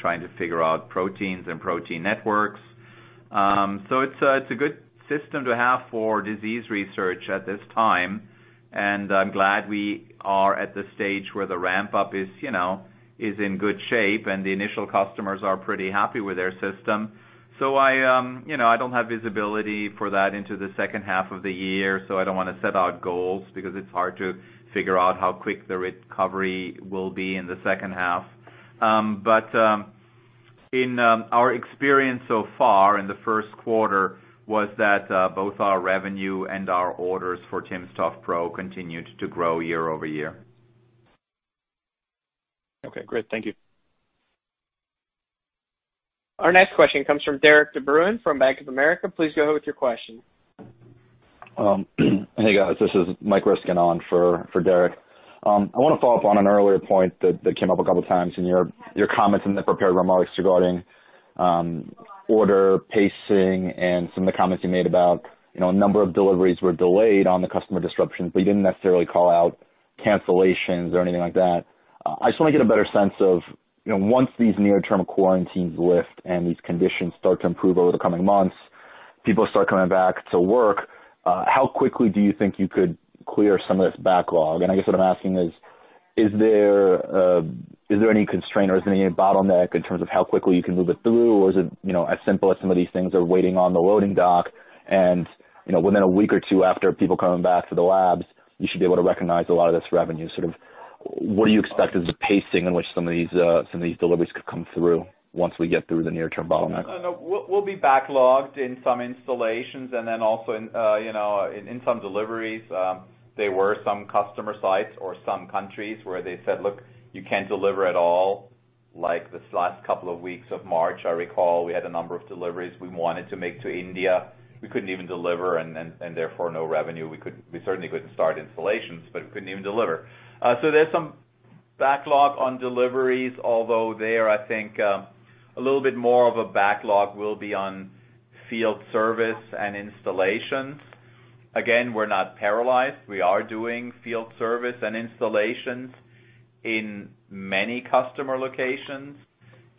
trying to figure out proteins and protein networks. So it's a good system to have for disease research at this time. And I'm glad we are at the stage where the ramp-up is in good shape, and the initial customers are pretty happy with their system. So I don't have visibility for that into the second half of the year, so I don't want to set out goals because it's hard to figure out how quick the recovery will be in the second half. But in our experience so far in the first quarter was that both our revenue and our orders for timsTOF Pro continued to grow year-over-year. Okay. Great. Thank you. Our next question comes from Derek DeBruin from Bank of America. Please go ahead with your question. Hey, guys. This is Mike Ryskin on for Derek. I want to follow up on an earlier point that came up a couple of times in your comments and the prepared remarks regarding order pacing and some of the comments you made about a number of deliveries were delayed on the customer disruption, but you didn't necessarily call out cancellations or anything like that. I just want to get a better sense of once these near term quarantines lift and these conditions start to improve over the coming months, people start coming back to work, how quickly do you think you could clear some of this backlog? And I guess what I'm asking is, is there any constraint or is there any bottleneck in terms of how quickly you can move it through, or is it as simple as some of these things are waiting on the loading dock? And within a week or two after people coming back to the labs, you should be able to recognize a lot of this revenue. Sort of what do you expect is the pacing in which some of these deliveries could come through once we get through the near-term bottleneck? We'll be backlogged in some installations and then also in some deliveries. There were some customer sites or some countries where they said, "Look, you can't deliver at all." Like this last couple of weeks of March, I recall we had a number of deliveries we wanted to make to India. We couldn't even deliver and therefore no revenue. We certainly couldn't start installations, but we couldn't even deliver. So there's some backlog on deliveries, although there, I think a little bit more of a backlog will be on field service and installations. Again, we're not paralyzed. We are doing field service and installations in many customer locations.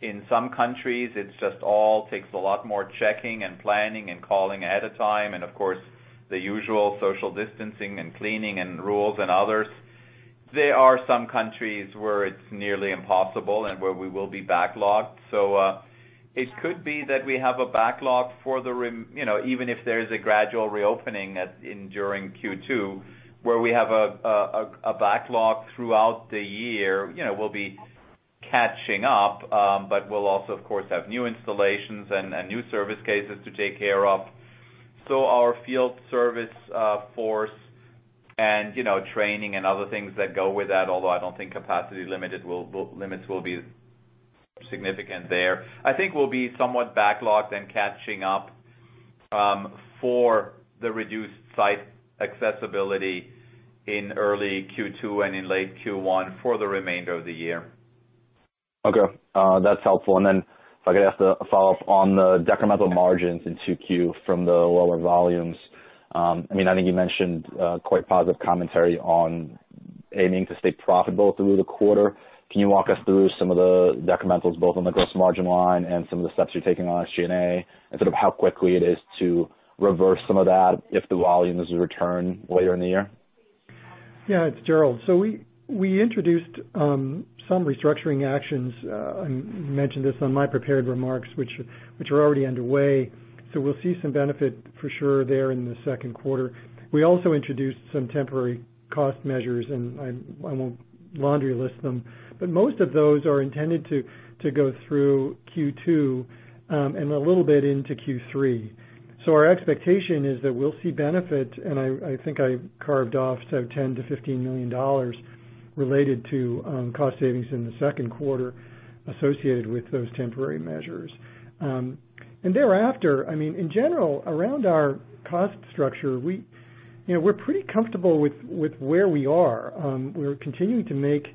In some countries, it just all takes a lot more checking and planning and calling ahead of time. And of course, the usual social distancing and cleaning and rules and others. There are some countries where it's nearly impossible and where we will be backlogged. So it could be that we have a backlog for the even if there is a gradual reopening during Q2 where we have a backlog throughout the year, we'll be catching up, but we'll also, of course, have new installations and new service cases to take care of. So our field service force and training and other things that go with that, although I don't think capacity limits will be significant there, I think we'll be somewhat backlogged and catching up for the reduced site accessibility in early Q2 and in late Q1 for the remainder of the year. Okay. That's helpful. And then if I could ask a follow-up on the decremental margins in Q2 from the lower volumes. I mean, I think you mentioned quite positive commentary on aiming to stay profitable through the quarter. Can you walk us through some of the decrementals, both on the gross margin line and some of the steps you're taking on SG&A and sort of how quickly it is to reverse some of that if the volumes return later in the year? Yeah. It's Gerald. So we introduced some restructuring actions. I mentioned this on my prepared remarks, which are already underway. So we'll see some benefit for sure there in the second quarter. We also introduced some temporary cost measures, and I won't laundry list them, but most of those are intended to go through Q2 and a little bit into Q3. So our expectation is that we'll see benefit, and I think I carved off $10 million to $15 million related to cost savings in the second quarter associated with those temporary measures. And thereafter, I mean, in general, around our cost structure, we're pretty comfortable with where we are. We're continuing to make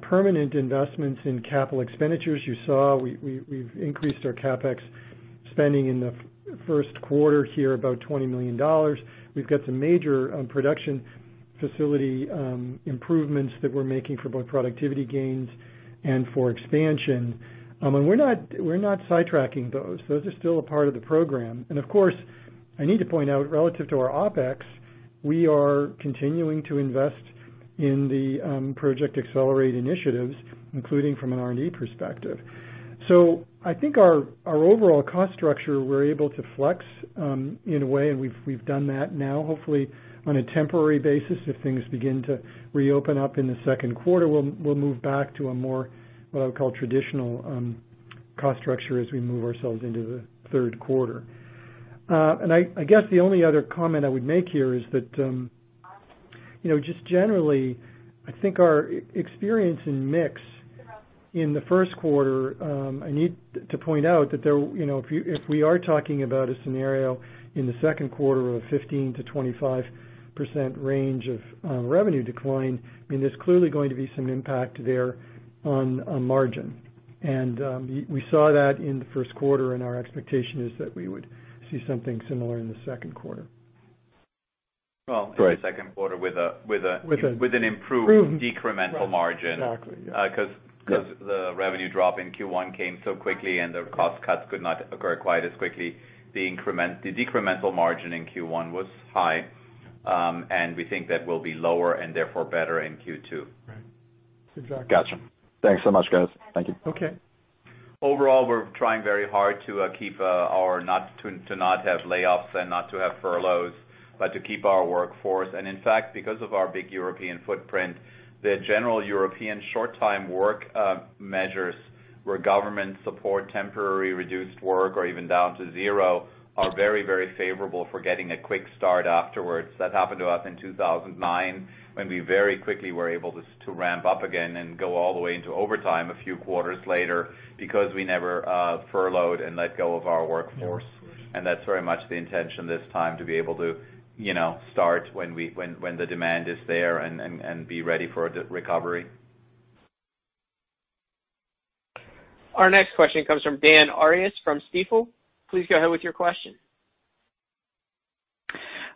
permanent investments in capital expenditures. You saw we've increased our CapEx spending in the first quarter here, about $20 million. We've got some major production facility improvements that we're making for both productivity gains and for expansion. And we're not sidetracking those. Those are still a part of the program. And of course, I need to point out relative to our OpEx, we are continuing to invest in the Project Accelerate initiatives, including from an R&D perspective. So I think our overall cost structure, we're able to flex in a way, and we've done that now, hopefully on a temporary basis. If things begin to reopen up in the second quarter, we'll move back to a more what I would call traditional cost structure as we move ourselves into the third quarter. And I guess the only other comment I would make here is that just generally, I think our experience in mix in the first quarter. I need to point out that if we are talking about a scenario in the second quarter of a 15% to 25% range of revenue decline, I mean, there's clearly going to be some impact there on margin. And we saw that in the first quarter, and our expectation is that we would see something similar in the second quarter. Second quarter with an improved decremental margin. Exactly. Because the revenue drop in Q1 came so quickly and the cost cuts could not occur quite as quickly, the decremental margin in Q1 was high, and we think that will be lower and therefore better in Q2. Gotcha. Thanks so much, guys. Thank you. Okay. Overall, we're trying very hard to keep our workforce and not to have layoffs and not to have furloughs. In fact, because of our big European footprint, the general European short-time work measures where government support temporary reduced work or even down to zero are very, very favorable for getting a quick start afterwards. That happened to us in 2009 when we very quickly were able to ramp up again and go all the way into overtime a few quarters later because we never furloughed and let go of our workforce. And that's very much the intention this time to be able to start when the demand is there and be ready for recovery. Our next question comes from Dan Arias from Stifel. Please go ahead with your question.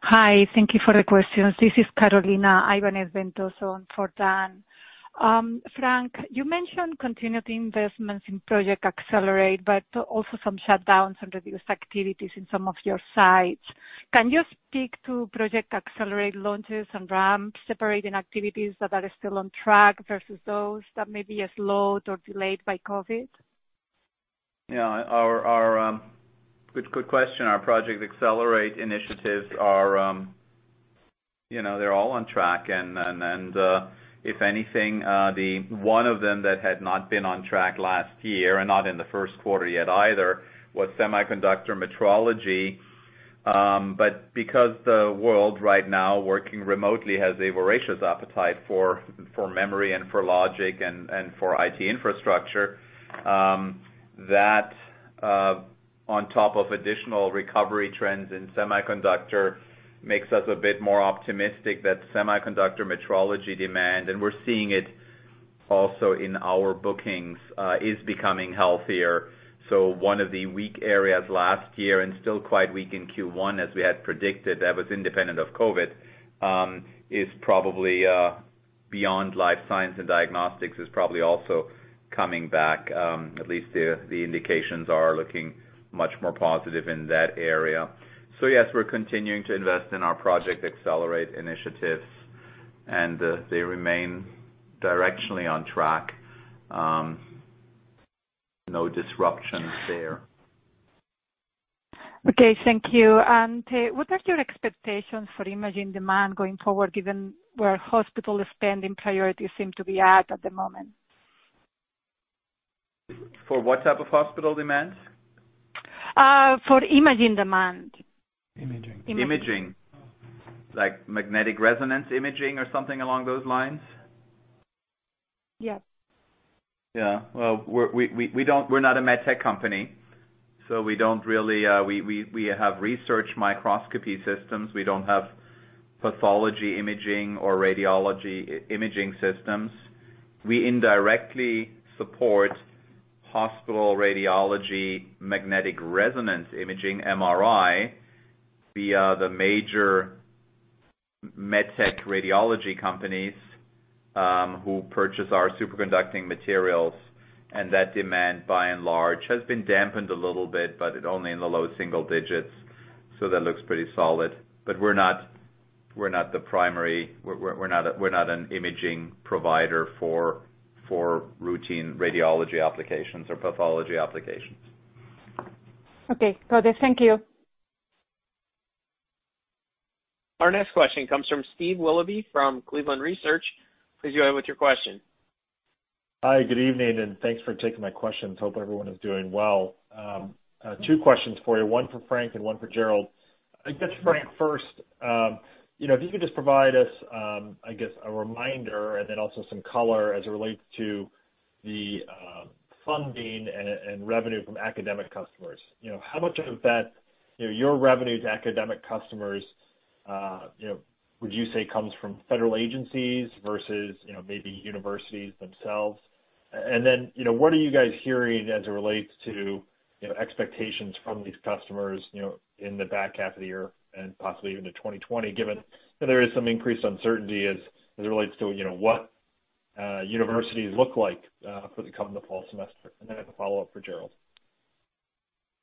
Hi. Thank you for the questions. This is Carolina. I'm an associate on for Dan. Frank, you mentioned continued investments in Project Accelerate, but also some shutdowns and reduced activities in some of your sites. Can you speak to Project Accelerate launches and ramps, separating activities that are still on track versus those that may be slowed or delayed by COVID? Yeah. Good question. Our Project Accelerate initiatives, they're all on track. And if anything, one of them that had not been on track last year and not in the first quarter yet either was Semiconductor Metrology. But because the world right now working remotely has a voracious appetite for memory and for logic and for IT infrastructure, that on top of additional recovery trends in semiconductor makes us a bit more optimistic that Semiconductor Metrology demand, and we're seeing it also in our bookings, is becoming healthier. So one of the weak areas last year and still quite weak in Q1, as we had predicted, that was independent of COVID, is probably beyond life science and diagnostics, is probably also coming back. At least the indications are looking much more positive in that area. So yes, we're continuing to invest in our Project Accelerate initiatives, and they remain directionally on track. No disruption there. Okay. Thank you. And what are your expectations for imaging demand going forward, given where hospital spending priorities seem to be at the moment? For what type of hospital demand? For imaging demand? Imaging, like magnetic resonance imaging or something along those lines? Yes. Yeah. Well, we're not a medtech company, so we don't really have research microscopy systems. We don't have pathology imaging or radiology imaging systems. We indirectly support hospital radiology magnetic resonance imaging, MRI, via the major medtech radiology companies who purchase our superconducting materials. And that demand, by and large, has been dampened a little bit, but only in the low single digits. So that looks pretty solid. But we're not the primary. We're not an imaging provider for routine radiology applications or pathology applications. Okay. Got it. Thank you. Our next question comes from Steve Willoughby from Cleveland Research. Please go ahead with your question. Hi. Good evening, and thanks for taking my questions. Hope everyone is doing well. 2Questions for you. One for Frank and one for Gerald. I'll get to Frank first. If you could just provide us, I guess, a reminder and then also some color as it relates to the funding and revenue from academic customers. How much of that, your revenue to academic customers, would you say comes from federal agencies versus maybe universities themselves? And then what are you guys hearing as it relates to expectations from these customers in the back half of the year and possibly into 2020, given there is some increased uncertainty as it relates to what universities look like for the coming fall semester? And then a follow-up for Gerald.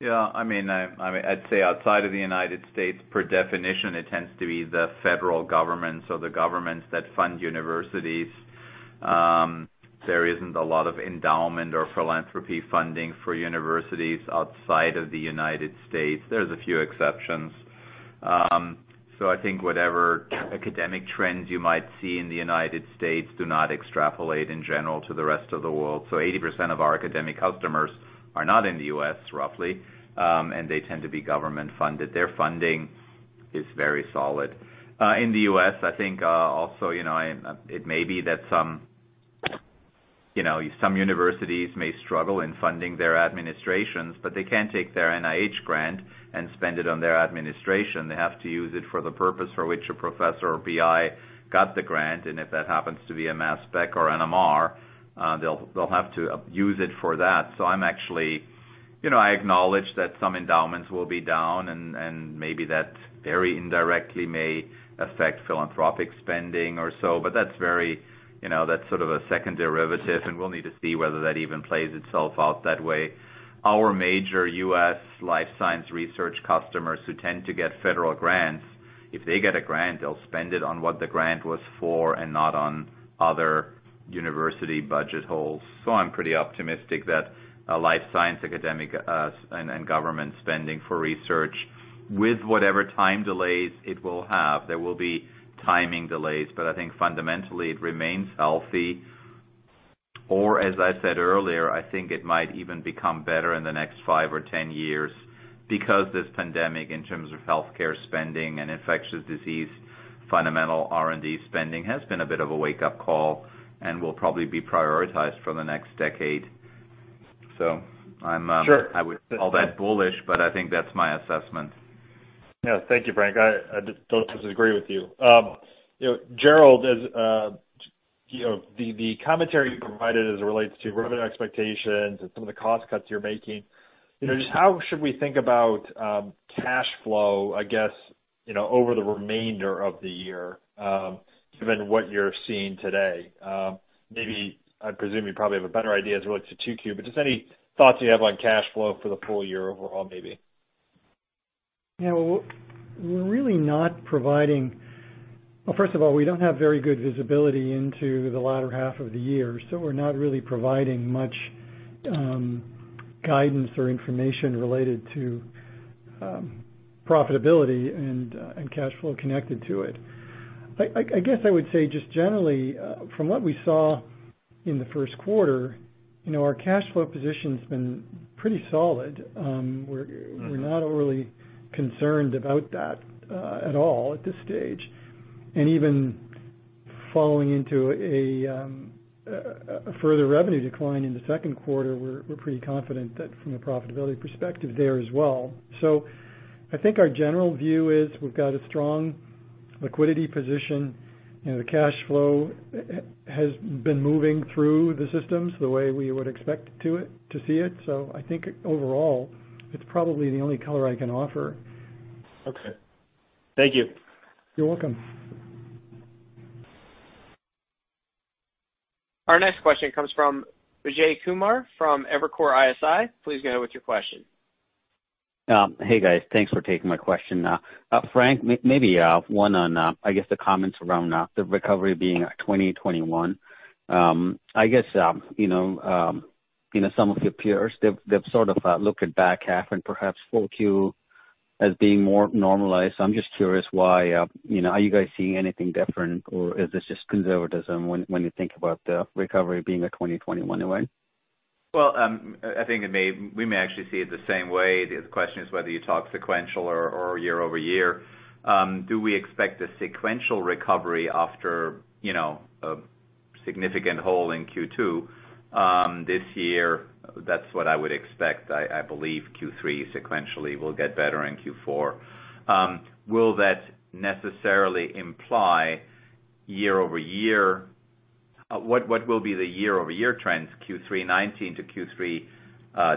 Yeah. I mean, I'd say outside of the United States, by definition, it tends to be the federal government. So the governments that fund universities, there isn't a lot of endowment or philanthropy funding for universities outside of the United States. There's a few exceptions. I think whatever academic trends you might see in the United States do not extrapolate in general to the rest of the world. 80% of our academic customers are not in the U.S., roughly, and they tend to be government-funded. Their funding is very solid. In the U.S., I think also it may be that some universities may struggle in funding their administrations, but they can't take their NIH grant and spend it on their administration. They have to use it for the purpose for which a professor or PI got the grant. If that happens to be a mass spec or NMR, they'll have to use it for that. I'm actually. I acknowledge that some endowments will be down, and maybe that very indirectly may affect philanthropic spending or so. But that's very, that's sort of a second derivative, and we'll need to see whether that even plays itself out that way. Our major U.S. life science research customers who tend to get federal grants, if they get a grant, they'll spend it on what the grant was for and not on other university budget holes. So I'm pretty optimistic that life science academic and government spending for research, with whatever time delays it will have, there will be timing delays. But I think fundamentally it remains healthy, or as I said earlier, I think it might even become better in the next five or 10 years because this pandemic, in terms of healthcare spending and infectious disease, fundamental R&D spending has been a bit of a wake-up call and will probably be prioritized for the next decade. So I would call that bullish, but I think that's my assessment. Yeah. Thank you, Frank. I don't disagree with you. Gerald, the commentary you provided as it relates to revenue expectations and some of the cost cuts you're making, just how should we think about cash flow, I guess, over the remainder of the year, given what you're seeing today? Maybe I presume you probably have a better idea as it relates to Q2, but just any thoughts you have on cash flow for the full year overall, maybe? Yeah. We're really not providing, well, first of all, we don't have very good visibility into the latter half of the year, so we're not really providing much guidance or information related to profitability and cash flow connected to it. I guess I would say just generally, from what we saw in the first quarter, our cash flow position has been pretty solid. We're not overly concerned about that at all at this stage and even falling into a further revenue decline in the second quarter, we're pretty confident that from a profitability perspective there as well, so I think our general view is we've got a strong liquidity position. The cash flow has been moving through the systems the way we would expect to see it, so I think overall, it's probably the only color I can offer. Okay. Thank you. You're welcome. Our next question comes from Vijay Kumar from Evercore ISI. Please go ahead with your question. Hey, guys. Thanks for taking my question. Frank, maybe one on, I guess, the comments around the recovery being 2021. I guess some of your peers, they've sort of looked at back half and perhaps 4Q as being more normalized, so I'm just curious why. Are you guys seeing anything different, or is this just conservatism when you think about the recovery being a 2021 event? Well, I think we may actually see it the same way. The question is whether you talk sequential or year-over-year. Do we expect a sequential recovery after a significant hole in Q2. This year, that's what I would expect. I believe Q3 sequentially will get better in Q4. Will that necessarily imply year-over-year? What will be the year-over-year trends Q3 2019 to Q3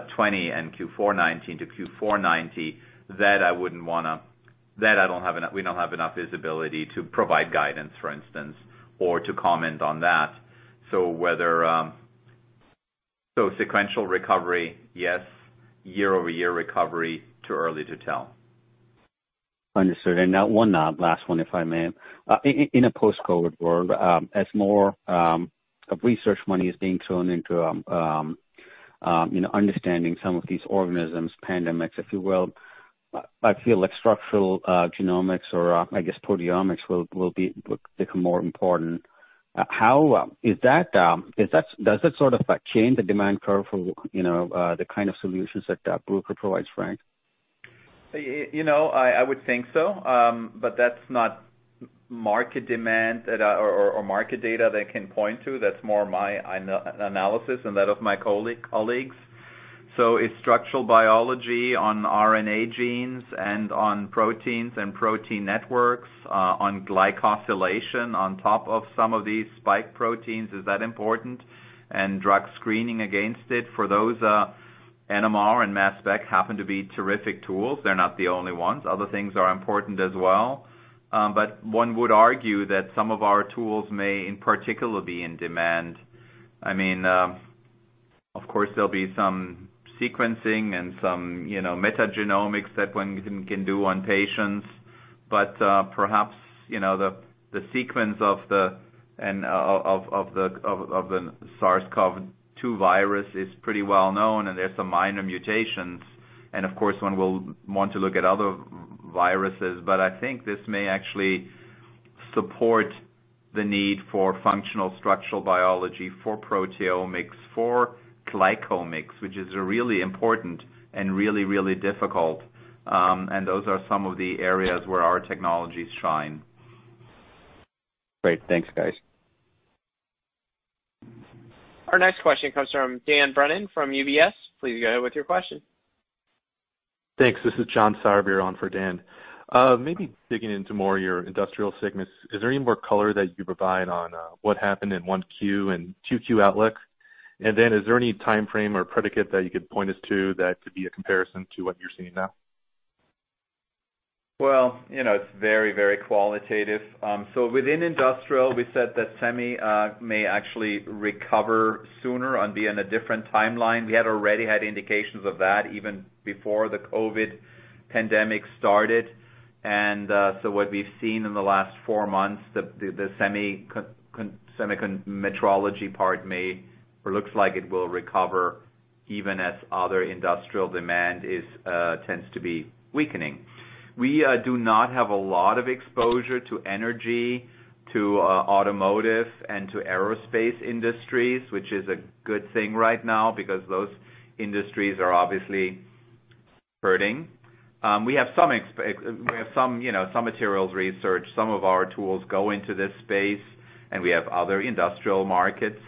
2020 and Q4 2019 to Q4 2020 that I wouldn't want to that I don't have enough we don't have enough visibility to provide guidance, for instance, or to comment on that. So sequential recovery, yes. Year-over-year recovery too early to tell. Understood. And one last one, if I may. In a post-COVID world, as more of research money is being thrown into understanding some of these organisms, pandemics, if you will, I feel like structural genomics or, I guess, proteomics will become more important. How is that? Does that sort of change the demand curve for the kind of solutions that Bruker provides, Frank? I would think so, but that's not market demand or market data that can point to. That's more my analysis and that of my colleagues. So is structural biology on RNA genes and on proteins and protein networks, on glycosylation on top of some of these spike proteins, important? And drug screening against it for those NMR and mass spec happen to be terrific tools. They're not the only ones. Other things are important as well, but one would argue that some of our tools may, in particular, be in demand. I mean, of course, there'll be some sequencing and some metagenomics that one can do on patients. But perhaps the sequence of the SARS-CoV-2 virus is pretty well known, and there's some minor mutations. And of course, one will want to look at other viruses. But I think this may actually support the need for functional structural biology for proteomics, for glycomics, which is really important and really, really difficult. And those are some of the areas where our technologies shine. Great. Thanks, guys. Our next question comes from Dan Brennan from UBS. Please go ahead with your question. Thanks. This is John Sourbeer for Dan. Maybe digging into more of your industrial segments, is there any more color that you provide on what happened in 1Q and 2Q outlook? Is there any timeframe or predicate that you could point us to that could be a comparison to what you're seeing now? It's very, very qualitative. Within industrial, we said that semi may actually recover sooner on being a different timeline. We had already had indications of that even before the COVID pandemic started. What we've seen in the last four months, the semi metrology part may or looks like it will recover even as other industrial demand tends to be weakening. We do not have a lot of exposure to energy, to automotive, and to aerospace industries, which is a good thing right now because those industries are obviously hurting. We have some materials research. Some of our tools go into this space, and we have other industrial markets.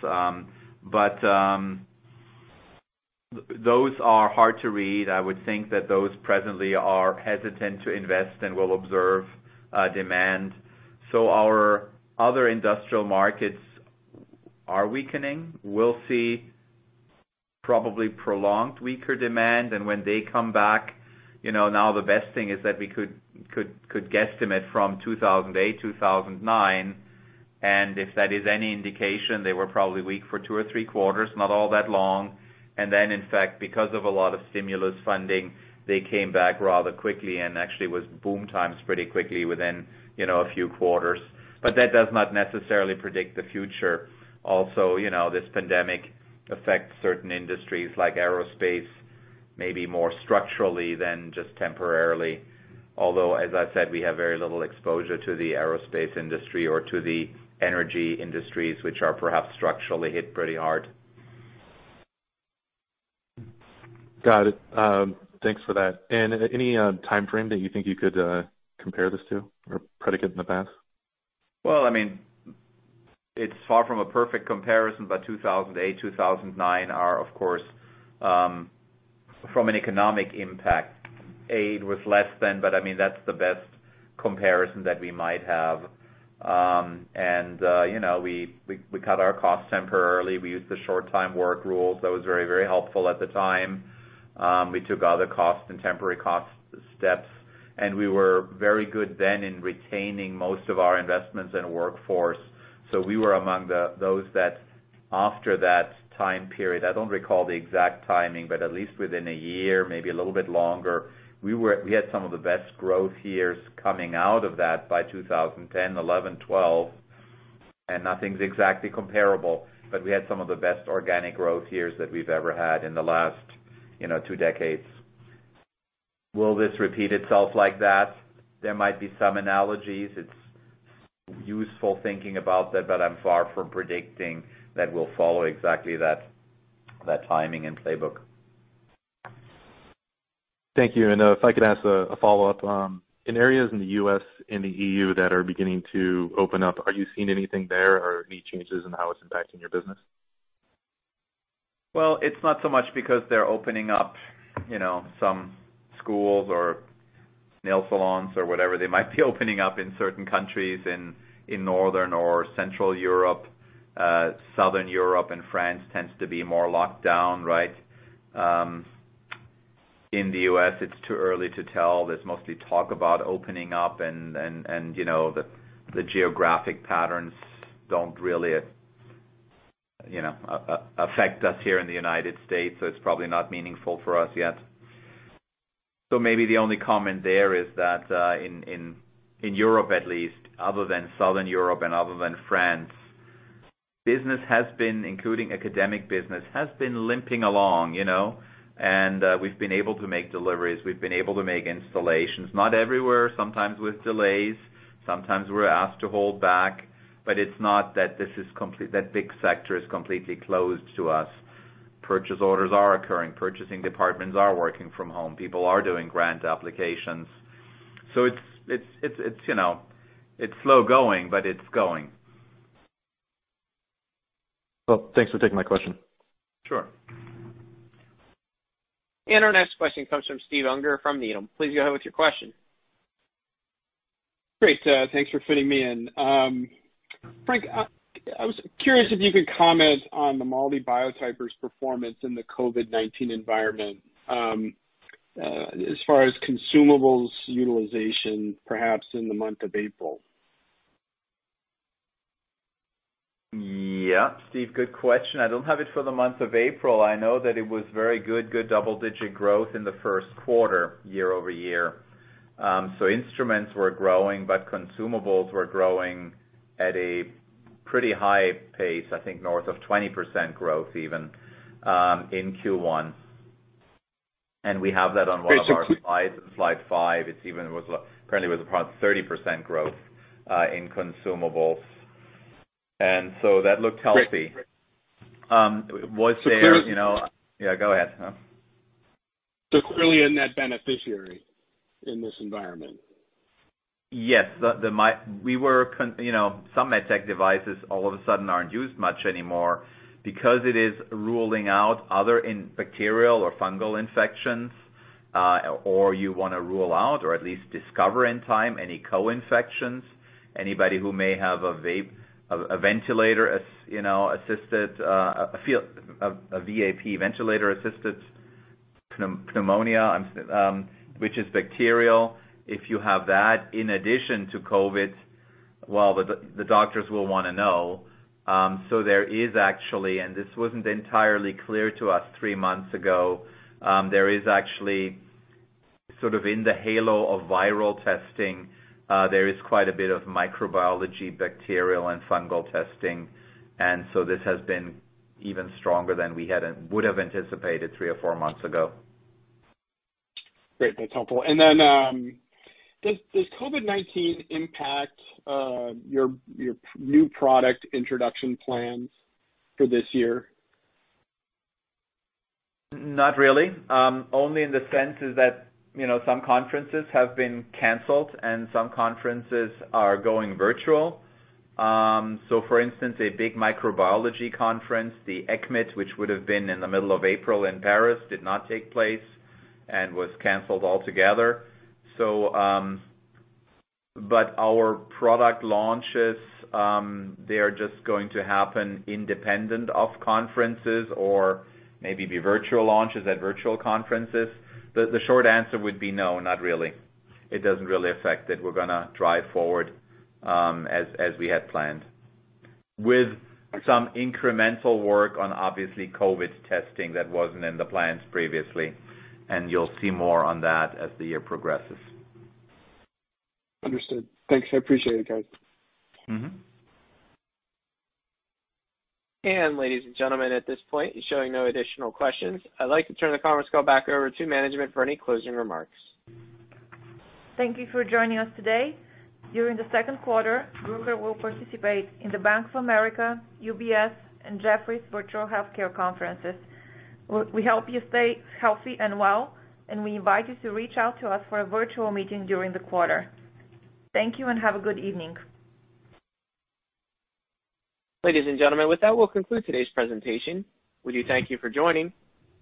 But those are hard to read. I would think that those presently are hesitant to invest and will observe demand, so our other industrial markets are weakening. We'll see probably prolonged weaker demand, and when they come back, now the best thing is that we could guesstimate from 2008, 2009, and if that is any indication, they were probably weak for two or three quarters, not all that long, and then, in fact, because of a lot of stimulus funding, they came back rather quickly and actually was boom times pretty quickly within a few quarters, but that does not necessarily predict the future. Also, this pandemic affects certain industries like aerospace, maybe more structurally than just temporarily. Although, as I said, we have very little exposure to the aerospace industry or to the energy industries, which are perhaps structurally hit pretty hard. Got it. Thanks for that. Any timeframe that you think you could compare this to or precedent in the past? I mean, it's far from a perfect comparison, but 2008, 2009 are, of course, from an economic impact, aid was less than, but I mean, that's the best comparison that we might have. We cut our costs temporarily. We used the short-time work rules. That was very, very helpful at the time. We took other costs and temporary cost steps. We were very good then in retaining most of our investments and workforce. So we were among those that after that time period, I don't recall the exact timing, but at least within a year, maybe a little bit longer, we had some of the best growth years coming out of that by 2010, 2011, 2012. And nothing's exactly comparable, but we had some of the best organic growth years that we've ever had in the last two decades. Will this repeat itself like that? There might be some analogies. It's useful thinking about that, but I'm far from predicting that we'll follow exactly that timing and playbook. Thank you. And if I could ask a follow-up, in areas in the U.S. and the E.U. that are beginning to open up, are you seeing anything there or any changes in how it's impacting your business? Well, it's not so much because they're opening up some schools or nail salons or whatever. They might be opening up in certain countries in northern or central Europe. Southern Europe and France tends to be more locked down, right? In the U.S., it's too early to tell. There's mostly talk about opening up, and the geographic patterns don't really affect us here in the United States, so it's probably not meaningful for us yet. So maybe the only comment there is that in Europe, at least, other than southern Europe and other than France, business has been, including academic business, has been limping along. And we've been able to make deliveries. We've been able to make installations. Not everywhere. Sometimes with delays. Sometimes we're asked to hold back. But it's not that this is that big sector is completely closed to us. Purchase orders are occurring. Purchasing departments are working from home. People are doing grant applications. So it's slow going, but it's going. Well, thanks for taking my question. Sure. And our next question comes from Stephen Unger from Needham & Company. Please go ahead with your question. Great. Thanks for fitting me in. Frank, I was curious if you could comment on the MALDI Biotyper's performance in the COVID-19 environment as far as consumables utilization, perhaps in the month of April? Yeah. Steve, good question. I don't have it for the month of April. I know that it was very good, good double-digit growth in the first quarter, year-over-year. So instruments were growing, but consumables were growing at a pretty high pace. I think north of 20% growth even in Q1. And we have that on one of our slides. It's slide five. It apparently was about 30% growth in consumables. And so that looked healthy. Was there? Yeah. Go ahead. So clearly a net beneficiary in this environment? Yes. Whereas some medtech devices all of a sudden aren't used much anymore because it is ruling out other bacterial or fungal infections, or you want to rule out or at least discover in time any co-infections. Anybody who may have a VAP, ventilator-associated pneumonia, which is bacterial, if you have that in addition to COVID, well, the doctors will want to know. So there is actually, and this wasn't entirely clear to us three months ago, there is actually sort of in the halo of viral testing, there is quite a bit of microbiology, bacterial, and fungal testing. And so this has been even stronger than we would have anticipated three or four months ago. Great. That's helpful. And then does COVID-19 impact your new product introduction plans for this year? Not really. Only in the sense that some conferences have been canceled and some conferences are going virtual. So, for instance, a big microbiology conference, the ECCMID, which would have been in the middle of April in Paris, did not take place and was canceled altogether. But our product launches, they are just going to happen independent of conferences or maybe be virtual launches at virtual conferences. The short answer would be no, not really. It doesn't really affect that we're going to drive forward as we had planned with some incremental work on, obviously, COVID testing that wasn't in the plans previously. And you'll see more on that as the year progresses. Understood. Thanks. I appreciate it, guys. And ladies and gentlemen, at this point, showing no additional questions, I'd like to turn the conference call back over to management for any closing remarks. Thank you for joining us today. During the second quarter, Bruker will participate in the Bank of America, UBS, and Jefferies virtual healthcare conferences. We hope you stay healthy and well, and we invite you to reach out to us for a virtual meeting during the quarter. Thank you and have a good evening. Ladies and gentlemen, with that, we'll conclude today's presentation. We do thank you for joining.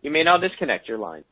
You may now disconnect your line.